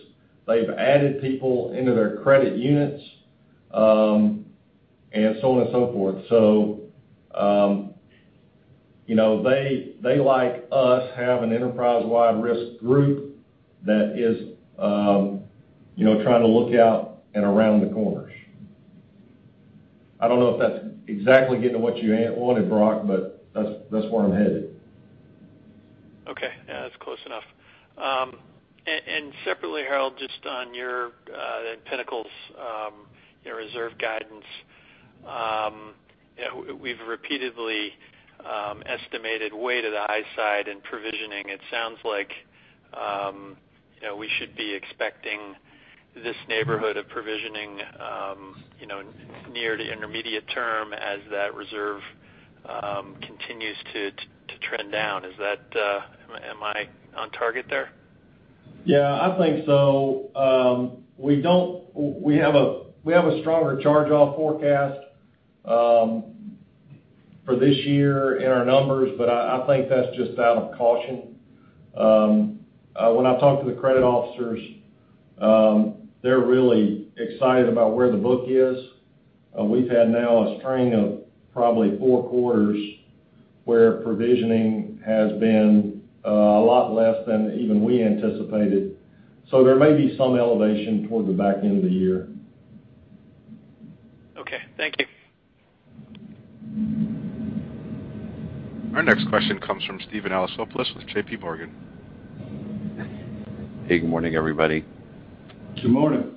They've added people into their credit units, and so on and so forth. You know, they, like us, have an enterprise-wide risk group that is, you know, trying to look out and around the corners. I don't know if that's exactly getting to what you wanted, Brock, but that's where I'm headed. Okay. Yeah, that's close enough. Separately, Harold, just on your and Pinnacle's, you know, reserve guidance, you know, we've repeatedly estimated way to the high side in provisioning. It sounds like, you know, we should be expecting this neighborhood of provisioning, you know, near the intermediate term as that reserve continues to trend down. Is that? Am I on target there? Yeah, I think so. We have a stronger charge-off forecast for this year in our numbers, but I think that's just out of caution. When I talk to the credit officers, they're really excited about where the book is. We've had now a string of probably four quarters where provisioning has been a lot less than even we anticipated. There may be some elevation towards the back end of the year. Okay, thank you. Our next question comes from Steven Alexopoulos with JPMorgan. Hey, good morning, everybody. Good morning.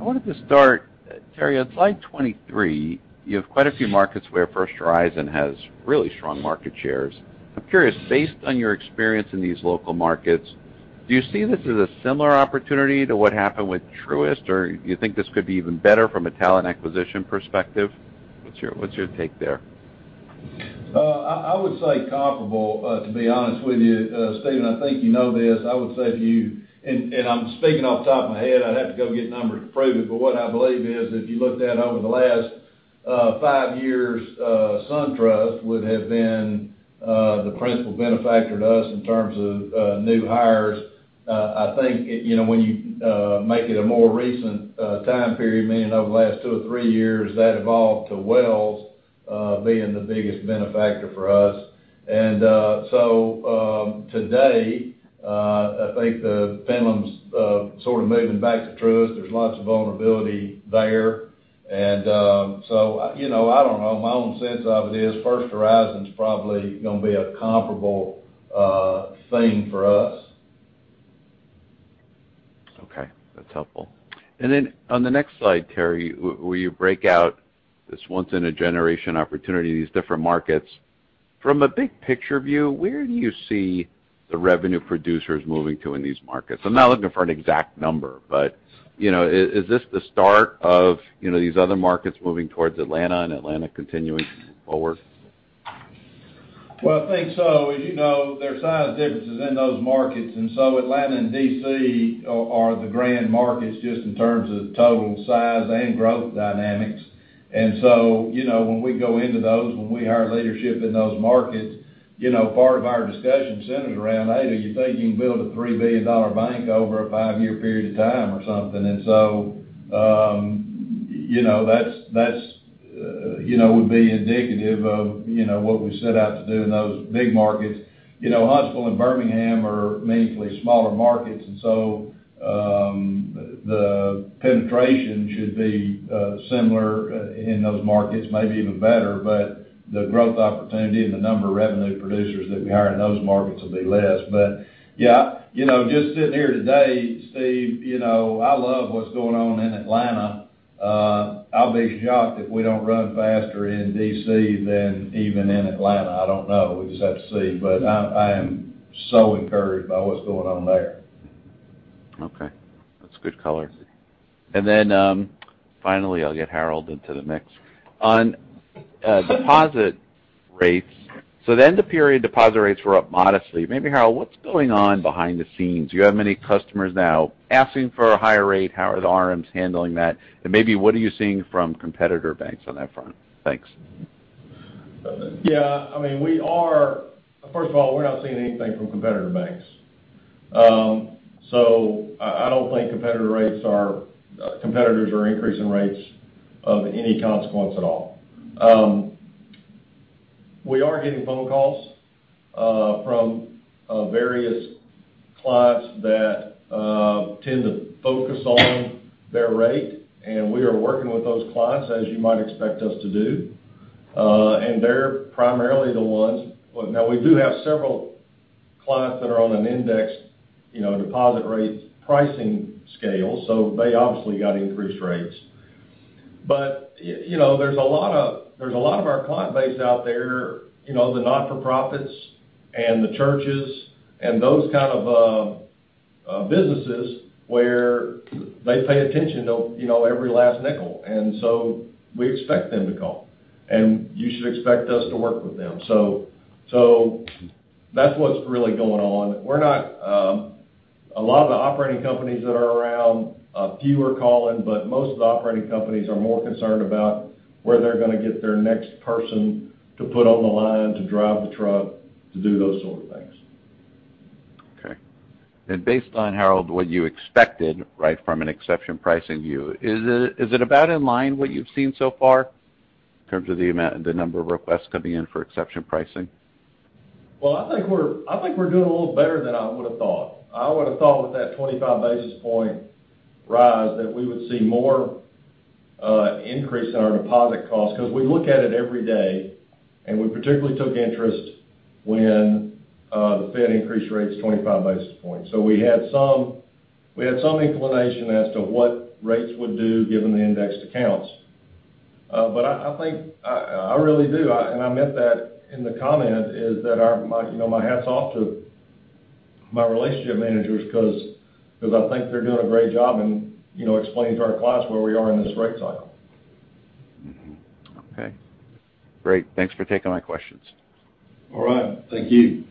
I wanted to start, Terry, on slide 23, you have quite a few markets where First Horizon has really strong market shares. I'm curious, based on your experience in these local markets, do you see this as a similar opportunity to what happened with Truist, or you think this could be even better from a talent acquisition perspective? What's your take there? I would say comparable, to be honest with you, Steven. I think you know this. I would say to you, and I'm speaking off the top of my head, I'd have to go get numbers to prove it. What I believe is, if you looked at over the last five years, SunTrust would have been the principal benefactor to us in terms of new hires. I think you know, when you make it a more recent time period, meaning over the last two or three years, that evolved to Wells being the biggest benefactor for us. Today, I think the pendulum's sort of moving back to Truist. There's lots of vulnerability there. You know, I don't know. My own sense of it is First Horizon's probably gonna be a comparable thing for us. Okay, that's helpful. Then on the next slide, Terry, where you break out this once in a generation opportunity, these different markets. From a big picture view, where do you see the revenue producers moving to in these markets? I'm not looking for an exact number, but, you know, is this the start of, you know, these other markets moving towards Atlanta and Atlanta continuing forward? Well, I think so. As you know, there's size differences in those markets, and so Atlanta and D.C. are the grand markets just in terms of total size and growth dynamics. You know, when we go into those, when we hire leadership in those markets, you know, part of our discussion centers around that. Do you think you can build a $3 billion bank over a five-year period of time or something? You know, that's you know would be indicative of you know what we set out to do in those big markets. You know, Huntsville and Birmingham are meaningfully smaller markets, the penetration should be similar in those markets, maybe even better. The growth opportunity and the number of revenue producers that we hire in those markets will be less. Yeah, you know, just sitting here today, Steve, you know, I love what's going on in Atlanta. I'll be shocked if we don't run faster in D.C. than even in Atlanta. I don't know. We'll just have to see. I am so encouraged by what's going on there. Okay. That's good color. Finally, I'll get Harold into the mix on deposit rates. The end of period deposit rates were up modestly. Maybe, Harold, what's going on behind the scenes? Do you have many customers now asking for a higher rate? How are the RMs handling that? Maybe what are you seeing from competitor banks on that front? Thanks. I mean, first of all, we're not seeing anything from competitor banks. So I don't think competitors are increasing rates of any consequence at all. We are getting phone calls from various clients that tend to focus on their rate, and we are working with those clients as you might expect us to do. And they're primarily the ones. Well, now we do have several clients that are on an index, you know, deposit rate pricing scale, so they obviously got increased rates. But you know, there's a lot of our client base out there, you know, the not-for-profits and the churches and those kind of businesses where they pay attention to, you know, every last nickel. We expect them to call, and you should expect us to work with them. That's what's really going on. We're not a lot of the operating companies that are around, a few are calling, but most of the operating companies are more concerned about where they're gonna get their next person to put on the line to drive the truck to do those sort of things. Okay. Based on, Harold, what you expected, right, from an exception pricing view, is it about in line what you've seen so far in terms of the number of requests coming in for exception pricing? Well, I think we're doing a little better than I would've thought. I would've thought with that 25 basis point rise that we would see more increase in our deposit costs, because we look at it every day, and we particularly took interest when the Fed increased rates 25 basis points. We had some inclination as to what rates would do given the indexed accounts. I think I really do, and I meant that in the comment is that my, you know, my hat's off to my relationship managers because I think they're doing a great job in, you know, explaining to our clients where we are in this rate cycle. Mm-hmm. Okay. Great. Thanks for taking my questions. All right. Thank you.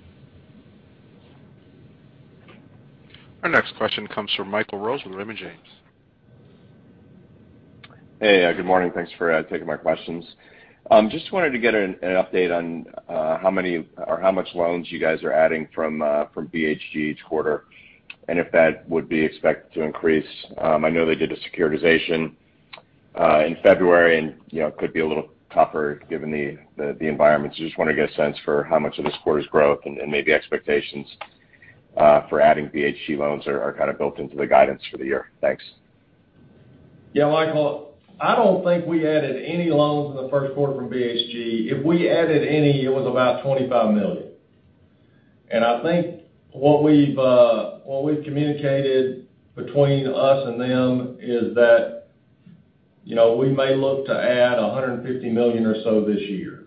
Our next question comes from Michael Rose with Raymond James. Hey. Good morning. Thanks for taking my questions. Just wanted to get an update on how many or how much loans you guys are adding from BHG each quarter, and if that would be expected to increase. I know they did a securitization in February and, you know, could be a little tougher given the environment. Just wanna get a sense for how much of this quarter's growth and maybe expectations for adding BHG loans are kind of built into the guidance for the year. Thanks. Yeah, Michael, I don't think we added any loans in the first quarter from BHG. If we added any, it was about $25 million. I think what we've communicated between us and them is that, you know, we may look to add $150 million or so this year.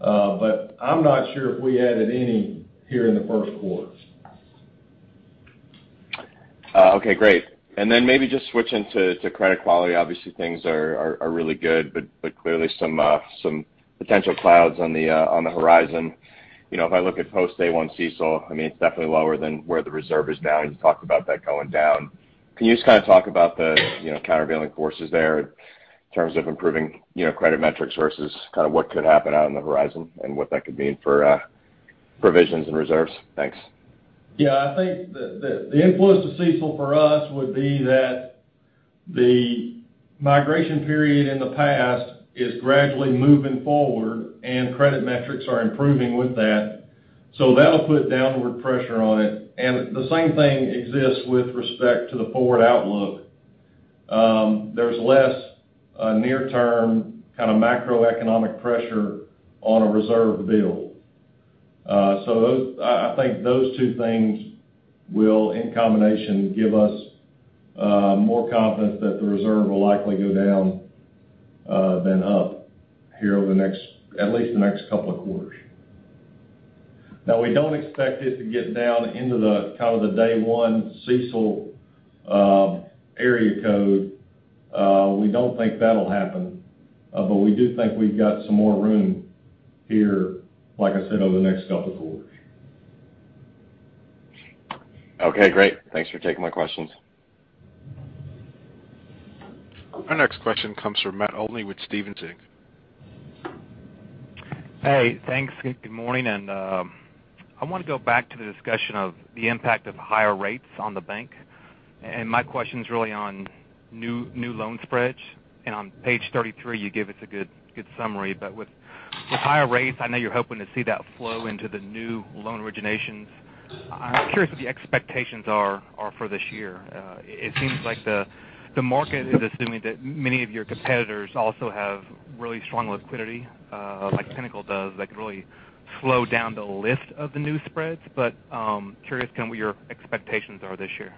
I'm not sure if we added any here in the first quarter. Okay. Great. Then maybe just switching to credit quality. Obviously, things are really good, but clearly some potential clouds on the horizon. You know, if I look at post day one CECL, I mean, it's definitely lower than where the reserve is now, and you talked about that going down. Can you just kind of talk about the, you know, countervailing forces there in terms of improving, you know, credit metrics versus kind of what could happen out on the horizon and what that could mean for provisions and reserves? Thanks. Yeah. I think the influence of CECL for us would be that the migration period in the past is gradually moving forward, and credit metrics are improving with that. That'll put downward pressure on it, and the same thing exists with respect to the forward outlook. There's less near term kind of macroeconomic pressure on a reserve build. Those two things will, in combination, give us more confidence that the reserve will likely go down than up here at least the next couple of quarters. Now we don't expect it to get down into the kind of day one CECL area code. We don't think that'll happen. We do think we've got some more room here, like I said, over the next couple of quarters. Okay, great. Thanks for taking my questions. Our next question comes from Matt Olney with Stephens Inc. Hey, thanks. Good morning. I wanna go back to the discussion of the impact of higher rates on the bank. My question's really on new loan spreads. On page 33, you gave us a good summary. But with higher rates, I know you're hoping to see that flow into the new loan originations. I'm curious what the expectations are for this year. It seems like the market is assuming that many of your competitors also have really strong liquidity, like Pinnacle does, that could really slow down the lift of the new spreads. Curious kind of what your expectations are this year.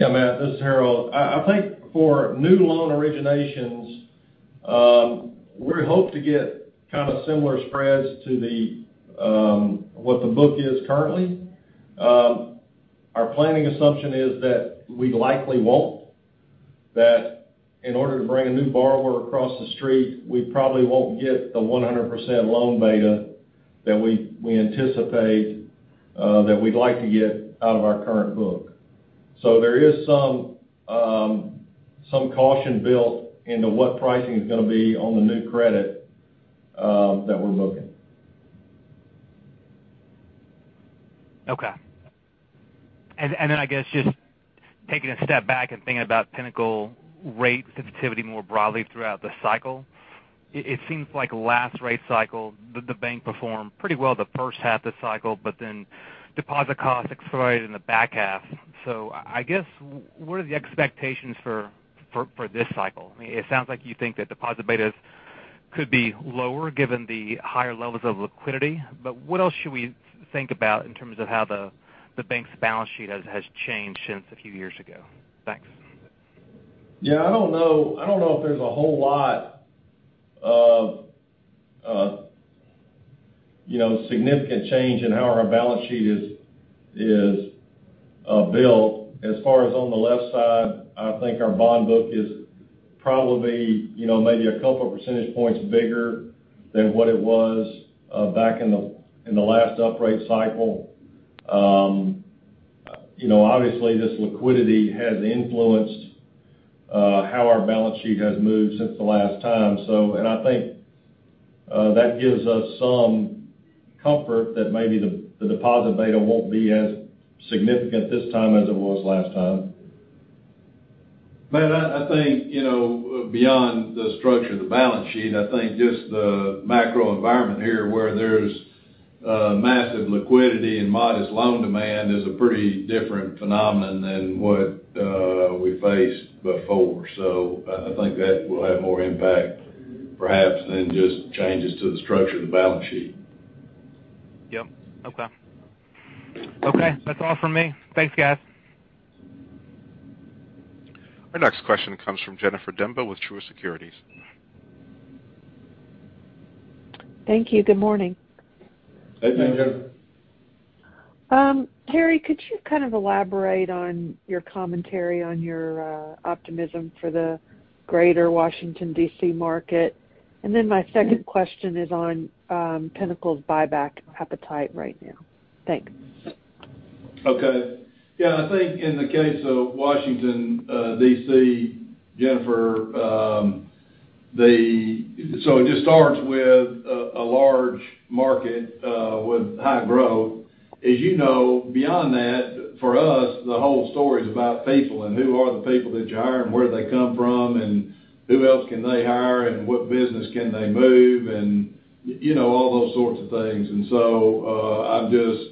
Yeah, Matt, this is Harold. I think for new loan originations, we hope to get kind of similar spreads to what the book is currently. Our planning assumption is that we likely won't. That in order to bring a new borrower across the street, we probably won't get the 100% loan beta that we anticipate, that we'd like to get out of our current book. There is some caution built into what pricing is gonna be on the new credit that we're booking. Okay. I guess just taking a step back and thinking about Pinnacle rate sensitivity more broadly throughout the cycle, it seems like last rate cycle, the bank performed pretty well the first half the cycle, but then deposit costs accelerated in the back half. I guess, what are the expectations for this cycle? It sounds like you think that deposit betas could be lower given the higher levels of liquidity. What else should we think about in terms of how the bank's balance sheet has changed since a few years ago? Thanks. Yeah. I don't know if there's a whole lot of, you know, significant change in how our balance sheet is built. As far as on the left side, I think our bond book is probably, you know, maybe a couple of percentage points bigger than what it was back in the last upright cycle. You know, obviously, this liquidity has influenced how our balance sheet has moved since the last time. I think that gives us some comfort that maybe the deposit beta won't be as significant this time as it was last time. Man, I think, you know, beyond the structure of the balance sheet, I think just the macro environment here, where there's massive liquidity and modest loan demand is a pretty different phenomenon than what we faced before. I think that will have more impact perhaps than just changes to the structure of the balance sheet. Yep. Okay. That's all for me. Thanks, guys. Our next question comes from Jennifer Demba with Truist Securities. Thank you. Good morning. Hey, Jen. Terry, could you kind of elaborate on your commentary on your optimism for the Greater Washington D.C. market? My second question is on Pinnacle's buyback appetite right now. Thanks. Okay. Yeah. I think in the case of Washington, D.C., Jennifer. It just starts with a large market with high growth. As you know, beyond that, for us, the whole story is about people, and who are the people that you hire, and where they come from, and who else can they hire, and what business can they move, and, you know, all those sorts of things. I'm just,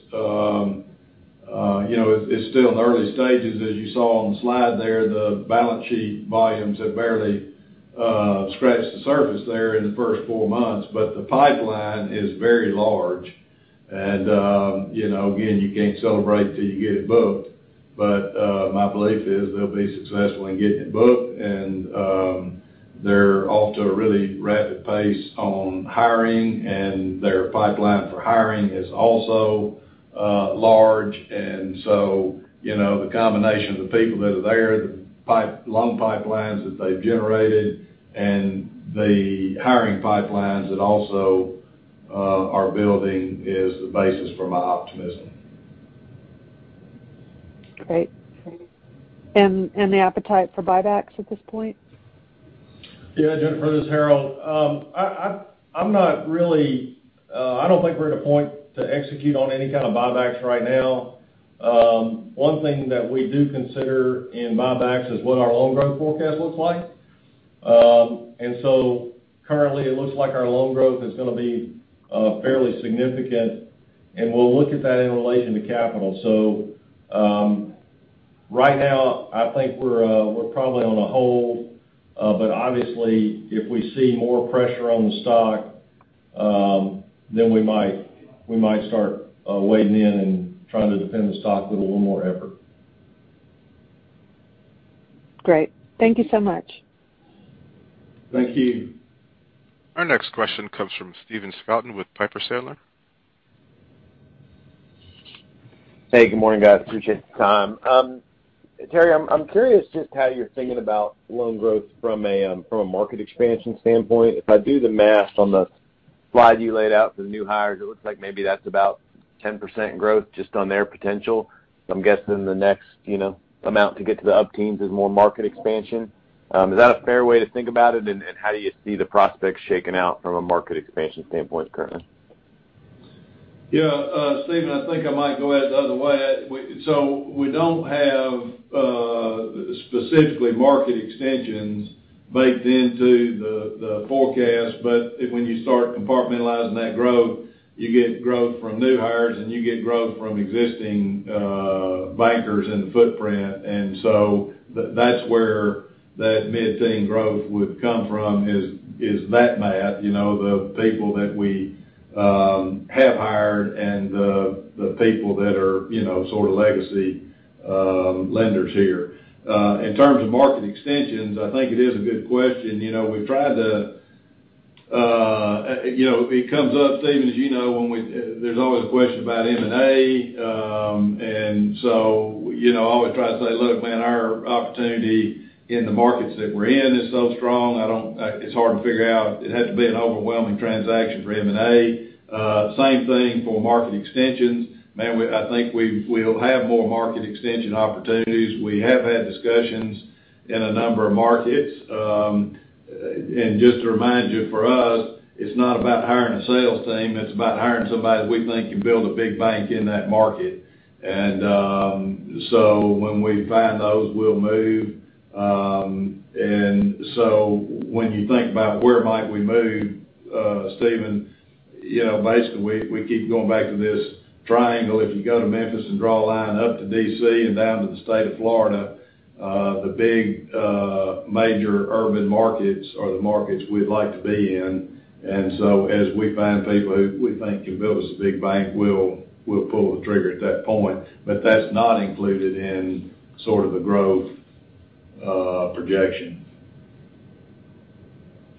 you know. It's still in the early stages. As you saw on the slide there, the balance sheet volumes have barely scratched the surface there in the first four months. The pipeline is very large. You know, again, you can't celebrate till you get it booked. My belief is they'll be successful in getting it booked. They're off to a really rapid pace on hiring, and their pipeline for hiring is also large. You know, the combination of the people that are there, the loan pipelines that they've generated, and the hiring pipelines that also are building, is the basis for my optimism. Great. The appetite for buybacks at this point? Yeah, Jennifer, this is Harold. I'm not really. I don't think we're at a point to execute on any kind of buybacks right now. One thing that we do consider in buybacks is what our loan growth forecast looks like. Currently it looks like our loan growth is gonna be fairly significant, and we'll look at that in relation to capital. Right now, I think we're probably on a hold. Obviously, if we see more pressure on the stock, then we might start weighing in and trying to defend the stock with a little more effort. Great. Thank you so much. Thank you. Our next question comes from Stephen Scouten with Piper Sandler. Hey, good morning, guys. Appreciate the time. Terry, I'm curious just how you're thinking about loan growth from a market expansion standpoint. If I do the math on the slide you laid out for the new hires, it looks like maybe that's about 10% growth just on their potential. I'm guessing the next, you know, amount to get to the upside is more market expansion. Is that a fair way to think about it? And how do you see the prospects shaking out from a market expansion standpoint currently? Yeah. Stephen, I think I might go at it the other way. We don't have specifically market extensions baked into the forecast, but when you start compartmentalizing that growth, you get growth from new hires, and you get growth from existing bankers in the footprint. That's where that mid-teen growth would come from, is that math, you know, the people that we have hired and the people that are, you know, sort of legacy lenders here. In terms of market extensions, I think it is a good question. You know, we've tried to. You know, it comes up, Stephen, as you know, there's always a question about M&A. You know, I always try to say, "Look, man, our opportunity in the markets that we're in is so strong, it's hard to figure out. It'd have to be an overwhelming transaction for M&A." Same thing for market extensions. Man, I think we'll have more market extension opportunities. We have had discussions in a number of markets. Just to remind you, for us, it's not about hiring a sales team, it's about hiring somebody that we think can build a big bank in that market. When we find those, we'll move. When you think about where might we move, Steven, you know, basically, we keep going back to this triangle. If you go to Memphis and draw a line up to D.C. and down to the state of Florida, the big, major urban markets are the markets we'd like to be in. As we find people who we think can build us a big bank, we'll pull the trigger at that point. That's not included in sort of the growth projection.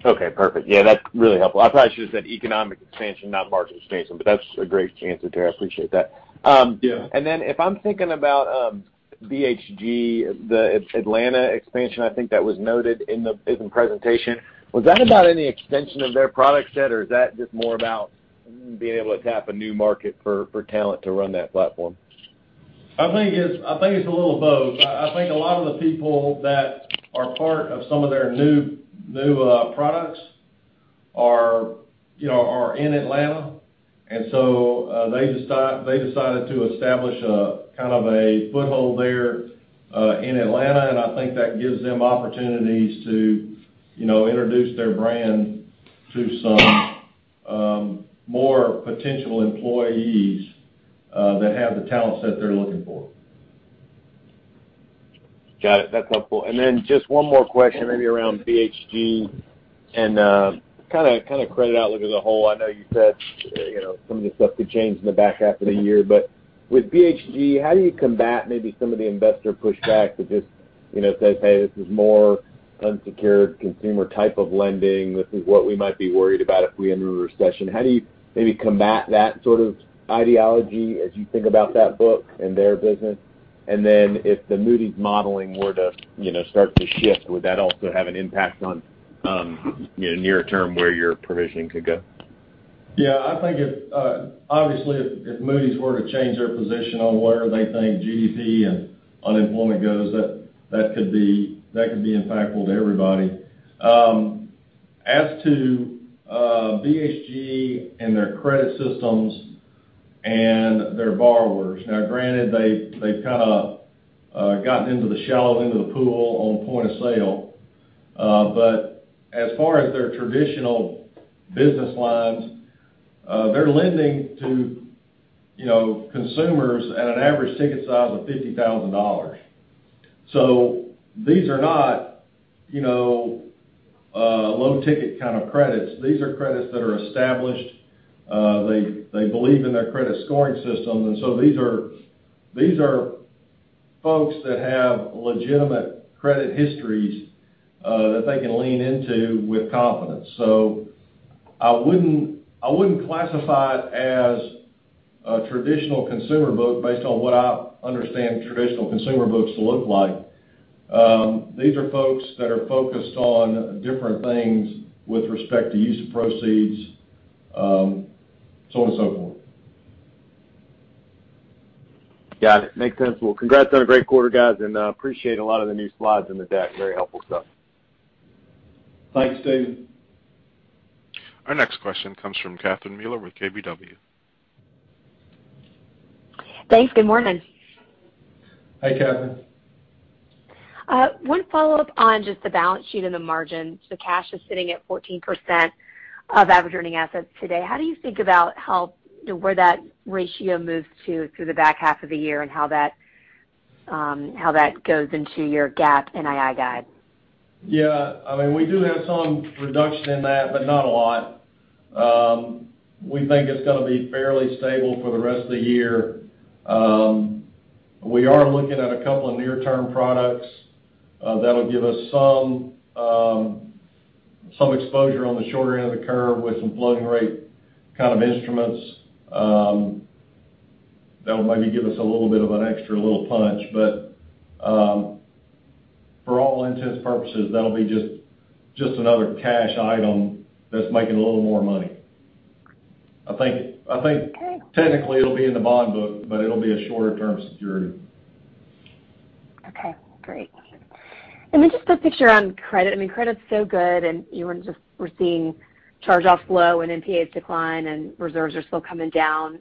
Okay, perfect. Yeah, that's really helpful. I probably should have said economic expansion, not market expansion, but that's a great answer, Terry. I appreciate that. Yeah. If I'm thinking about BHG, the Atlanta expansion, I think that was noted in the presentation. Was that about any extension of their product set, or is that just more about being able to tap a new market for talent to run that platform? I think it's a little of both. I think a lot of the people that are part of some of their new products are, you know, are in Atlanta. They decided to establish a kind of a foothold there in Atlanta, and I think that gives them opportunities to, you know, introduce their brand to some more potential employees that have the talent set they're looking for. Got it. That's helpful. Just one more question maybe around BHG and kinda credit outlook as a whole. I know you said, you know, some of this stuff could change in the back half of the year. With BHG, how do you combat maybe some of the investor pushback that just, you know, says, "Hey, this is more unsecured consumer type of lending. This is what we might be worried about if we enter a recession." How do you maybe combat that sort of ideology as you think about that book and their business? If the Moody's modeling were to, you know, start to shift, would that also have an impact on, you know, near term, where your provisioning could go? Yeah, I think if, obviously, if Moody's were to change their position on whatever they think GDP and unemployment goes, that could be impactful to everybody. As to BHG and their credit systems and their borrowers. Now granted, they've kinda gotten into the shallow end of the pool on point of sale. As far as their traditional business lines, they're lending to, you know, consumers at an average ticket size of $50,000. These are not, you know, low-ticket kind of credits. These are credits that are established. They believe in their credit scoring system, and these are folks that have legitimate credit histories that they can lean into with confidence. I wouldn't classify it as a traditional consumer book based on what I understand traditional consumer books look like. These are folks that are focused on different things with respect to use of proceeds, so on and so forth. Got it. Makes sense. Well, congrats on a great quarter, guys, and appreciate a lot of the new slides in the deck. Very helpful stuff. Thanks, Steven. Our next question comes from Catherine Mealor with KBW. Thanks. Good morning. Hi, Catherine. One follow-up on just the balance sheet and the margins. The cash is sitting at 14% of average earning assets today. How do you think about where that ratio moves to through the back half of the year and how that goes into your NII guide? Yeah. I mean, we do have some reduction in that, but not a lot. We think it's gonna be fairly stable for the rest of the year. We are looking at a couple of near-term products that'll give us some exposure on the shorter end of the curve with some floating rate kind of instruments that will maybe give us a little bit of an extra little punch. For all intents and purposes, that'll be just another cash item that's making a little more money. I think technically it'll be in the bond book, but it'll be a shorter-term security. Okay, great. Just the picture on credit. I mean, credit's so good, and even just we're seeing charge-offs low and NPAs decline and reserves are still coming down.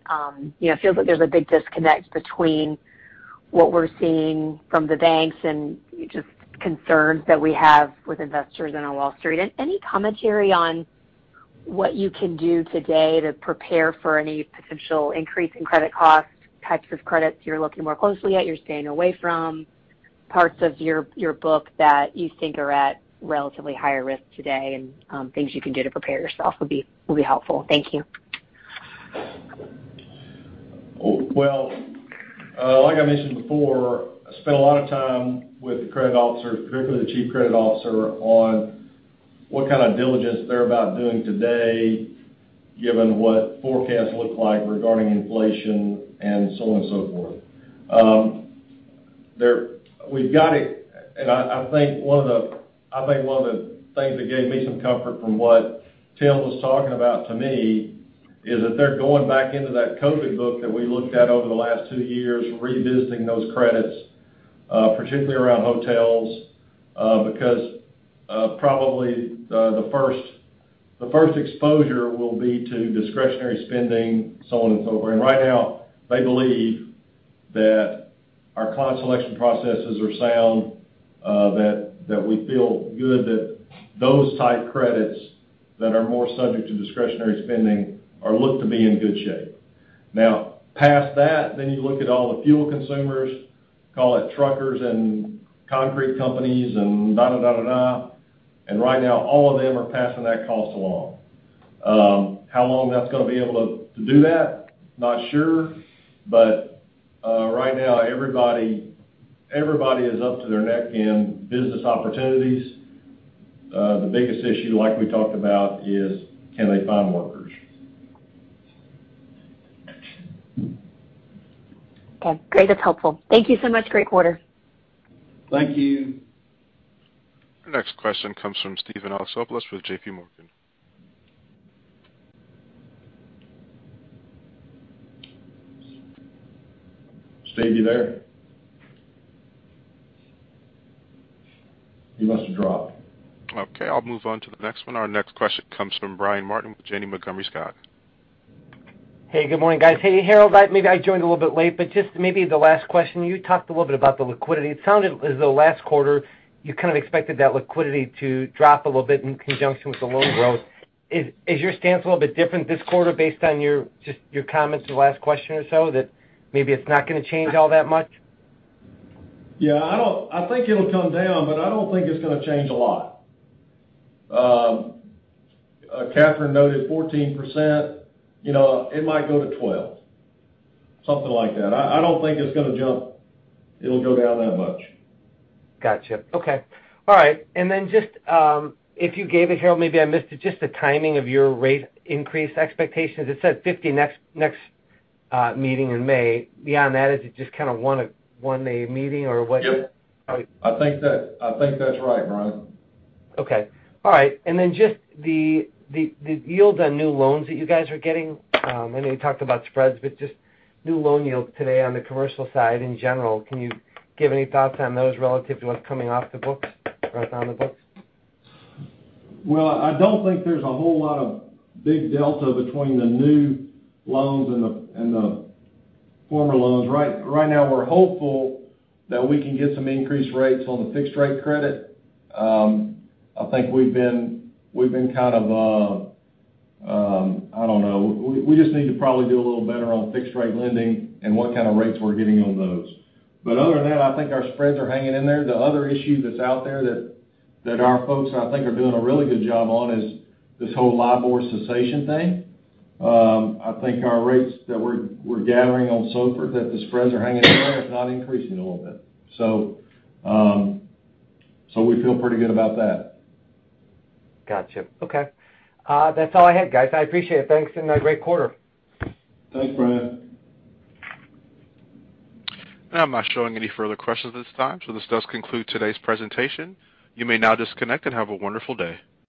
You know, it feels like there's a big disconnect between what we're seeing from the banks and just concerns that we have with investors and on Wall Street. Any commentary on what you can do today to prepare for any potential increase in credit costs, types of credits you're looking more closely at, you're staying away from, parts of your book that you think are at relatively higher risk today, and things you can do to prepare yourself would be helpful. Thank you. Well, like I mentioned before, I spent a lot of time with the credit officer, particularly the Chief Credit Officer, on what kind of diligence they're about doing today, given what forecasts look like regarding inflation and so on and so forth. I think one of the things that gave me some comfort from what Tim was talking about to me is that they're going back into that COVID book that we looked at over the last two years, revisiting those credits. Particularly around hotels, because probably the first exposure will be to discretionary spending, so on and so forth. Right now, they believe that our collection processes are sound, that we feel good that those type credits that are more subject to discretionary spending are looked to be in good shape. Now, past that, you look at all the fuel consumers, call it truckers and concrete companies and da da da da da, and right now all of them are passing that cost along. How long that's gonna be able to do that, not sure. Right now, everybody is up to their neck in business opportunities. The biggest issue, like we talked about, is can they find workers? Okay. Great. That's helpful. Thank you so much. Great quarter. Thank you. Next question comes from Steven Alexopoulos with JPMorgan. Steve, you there? He must have dropped. Okay. I'll move on to the next one. Our next question comes from Brian Martin with Janney Montgomery Scott. Hey, good morning, guys. Hey, Harold, maybe I joined a little bit late, but just maybe the last question, you talked a little bit about the liquidity. It sounded as though last quarter, you kind of expected that liquidity to drop a little bit in conjunction with the loan growth. Is your stance a little bit different this quarter based on just your comments to the last question or so that maybe it's not gonna change all that much? Yeah. I think it'll come down, but I don't think it's gonna change a lot. Catherine noted 14%, you know, it might go to 12%, something like that. I don't think it's gonna jump. It'll go down that much. Gotcha. Okay. All right. Just, if you gave it, Harold, maybe I missed it, just the timing of your rate increase expectations. It said 50 basis points next meeting in May. Beyond that, is it just kinda one a meeting or what? Yep. All right. I think that's right, Brian. Okay. All right. Just the yields on new loans that you guys are getting. I know you talked about spreads, but just new loan yields today on the commercial side in general. Can you give any thoughts on those relative to what's coming off the books, right, on the books? Well, I don't think there's a whole lot of big delta between the new loans and the former loans. Right now we're hopeful that we can get some increased rates on the fixed rate credit. I think we've been kind of, I don't know. We just need to probably do a little better on fixed rate lending and what kind of rates we're getting on those. But other than that, I think our spreads are hanging in there. The other issue that's out there that our folks I think are doing a really good job on is this whole essation thing. I think our rates that we're gathering on SOFR, that the spreads are hanging in there, it's not increasing a little bit. We feel pretty good about that. Gotcha. Okay. That's all I had, guys. I appreciate it. Thanks, and great quarter. Thanks, Brian. I'm not showing any further questions at this time, so this does conclude today's presentation. You may now disconnect and have a wonderful day.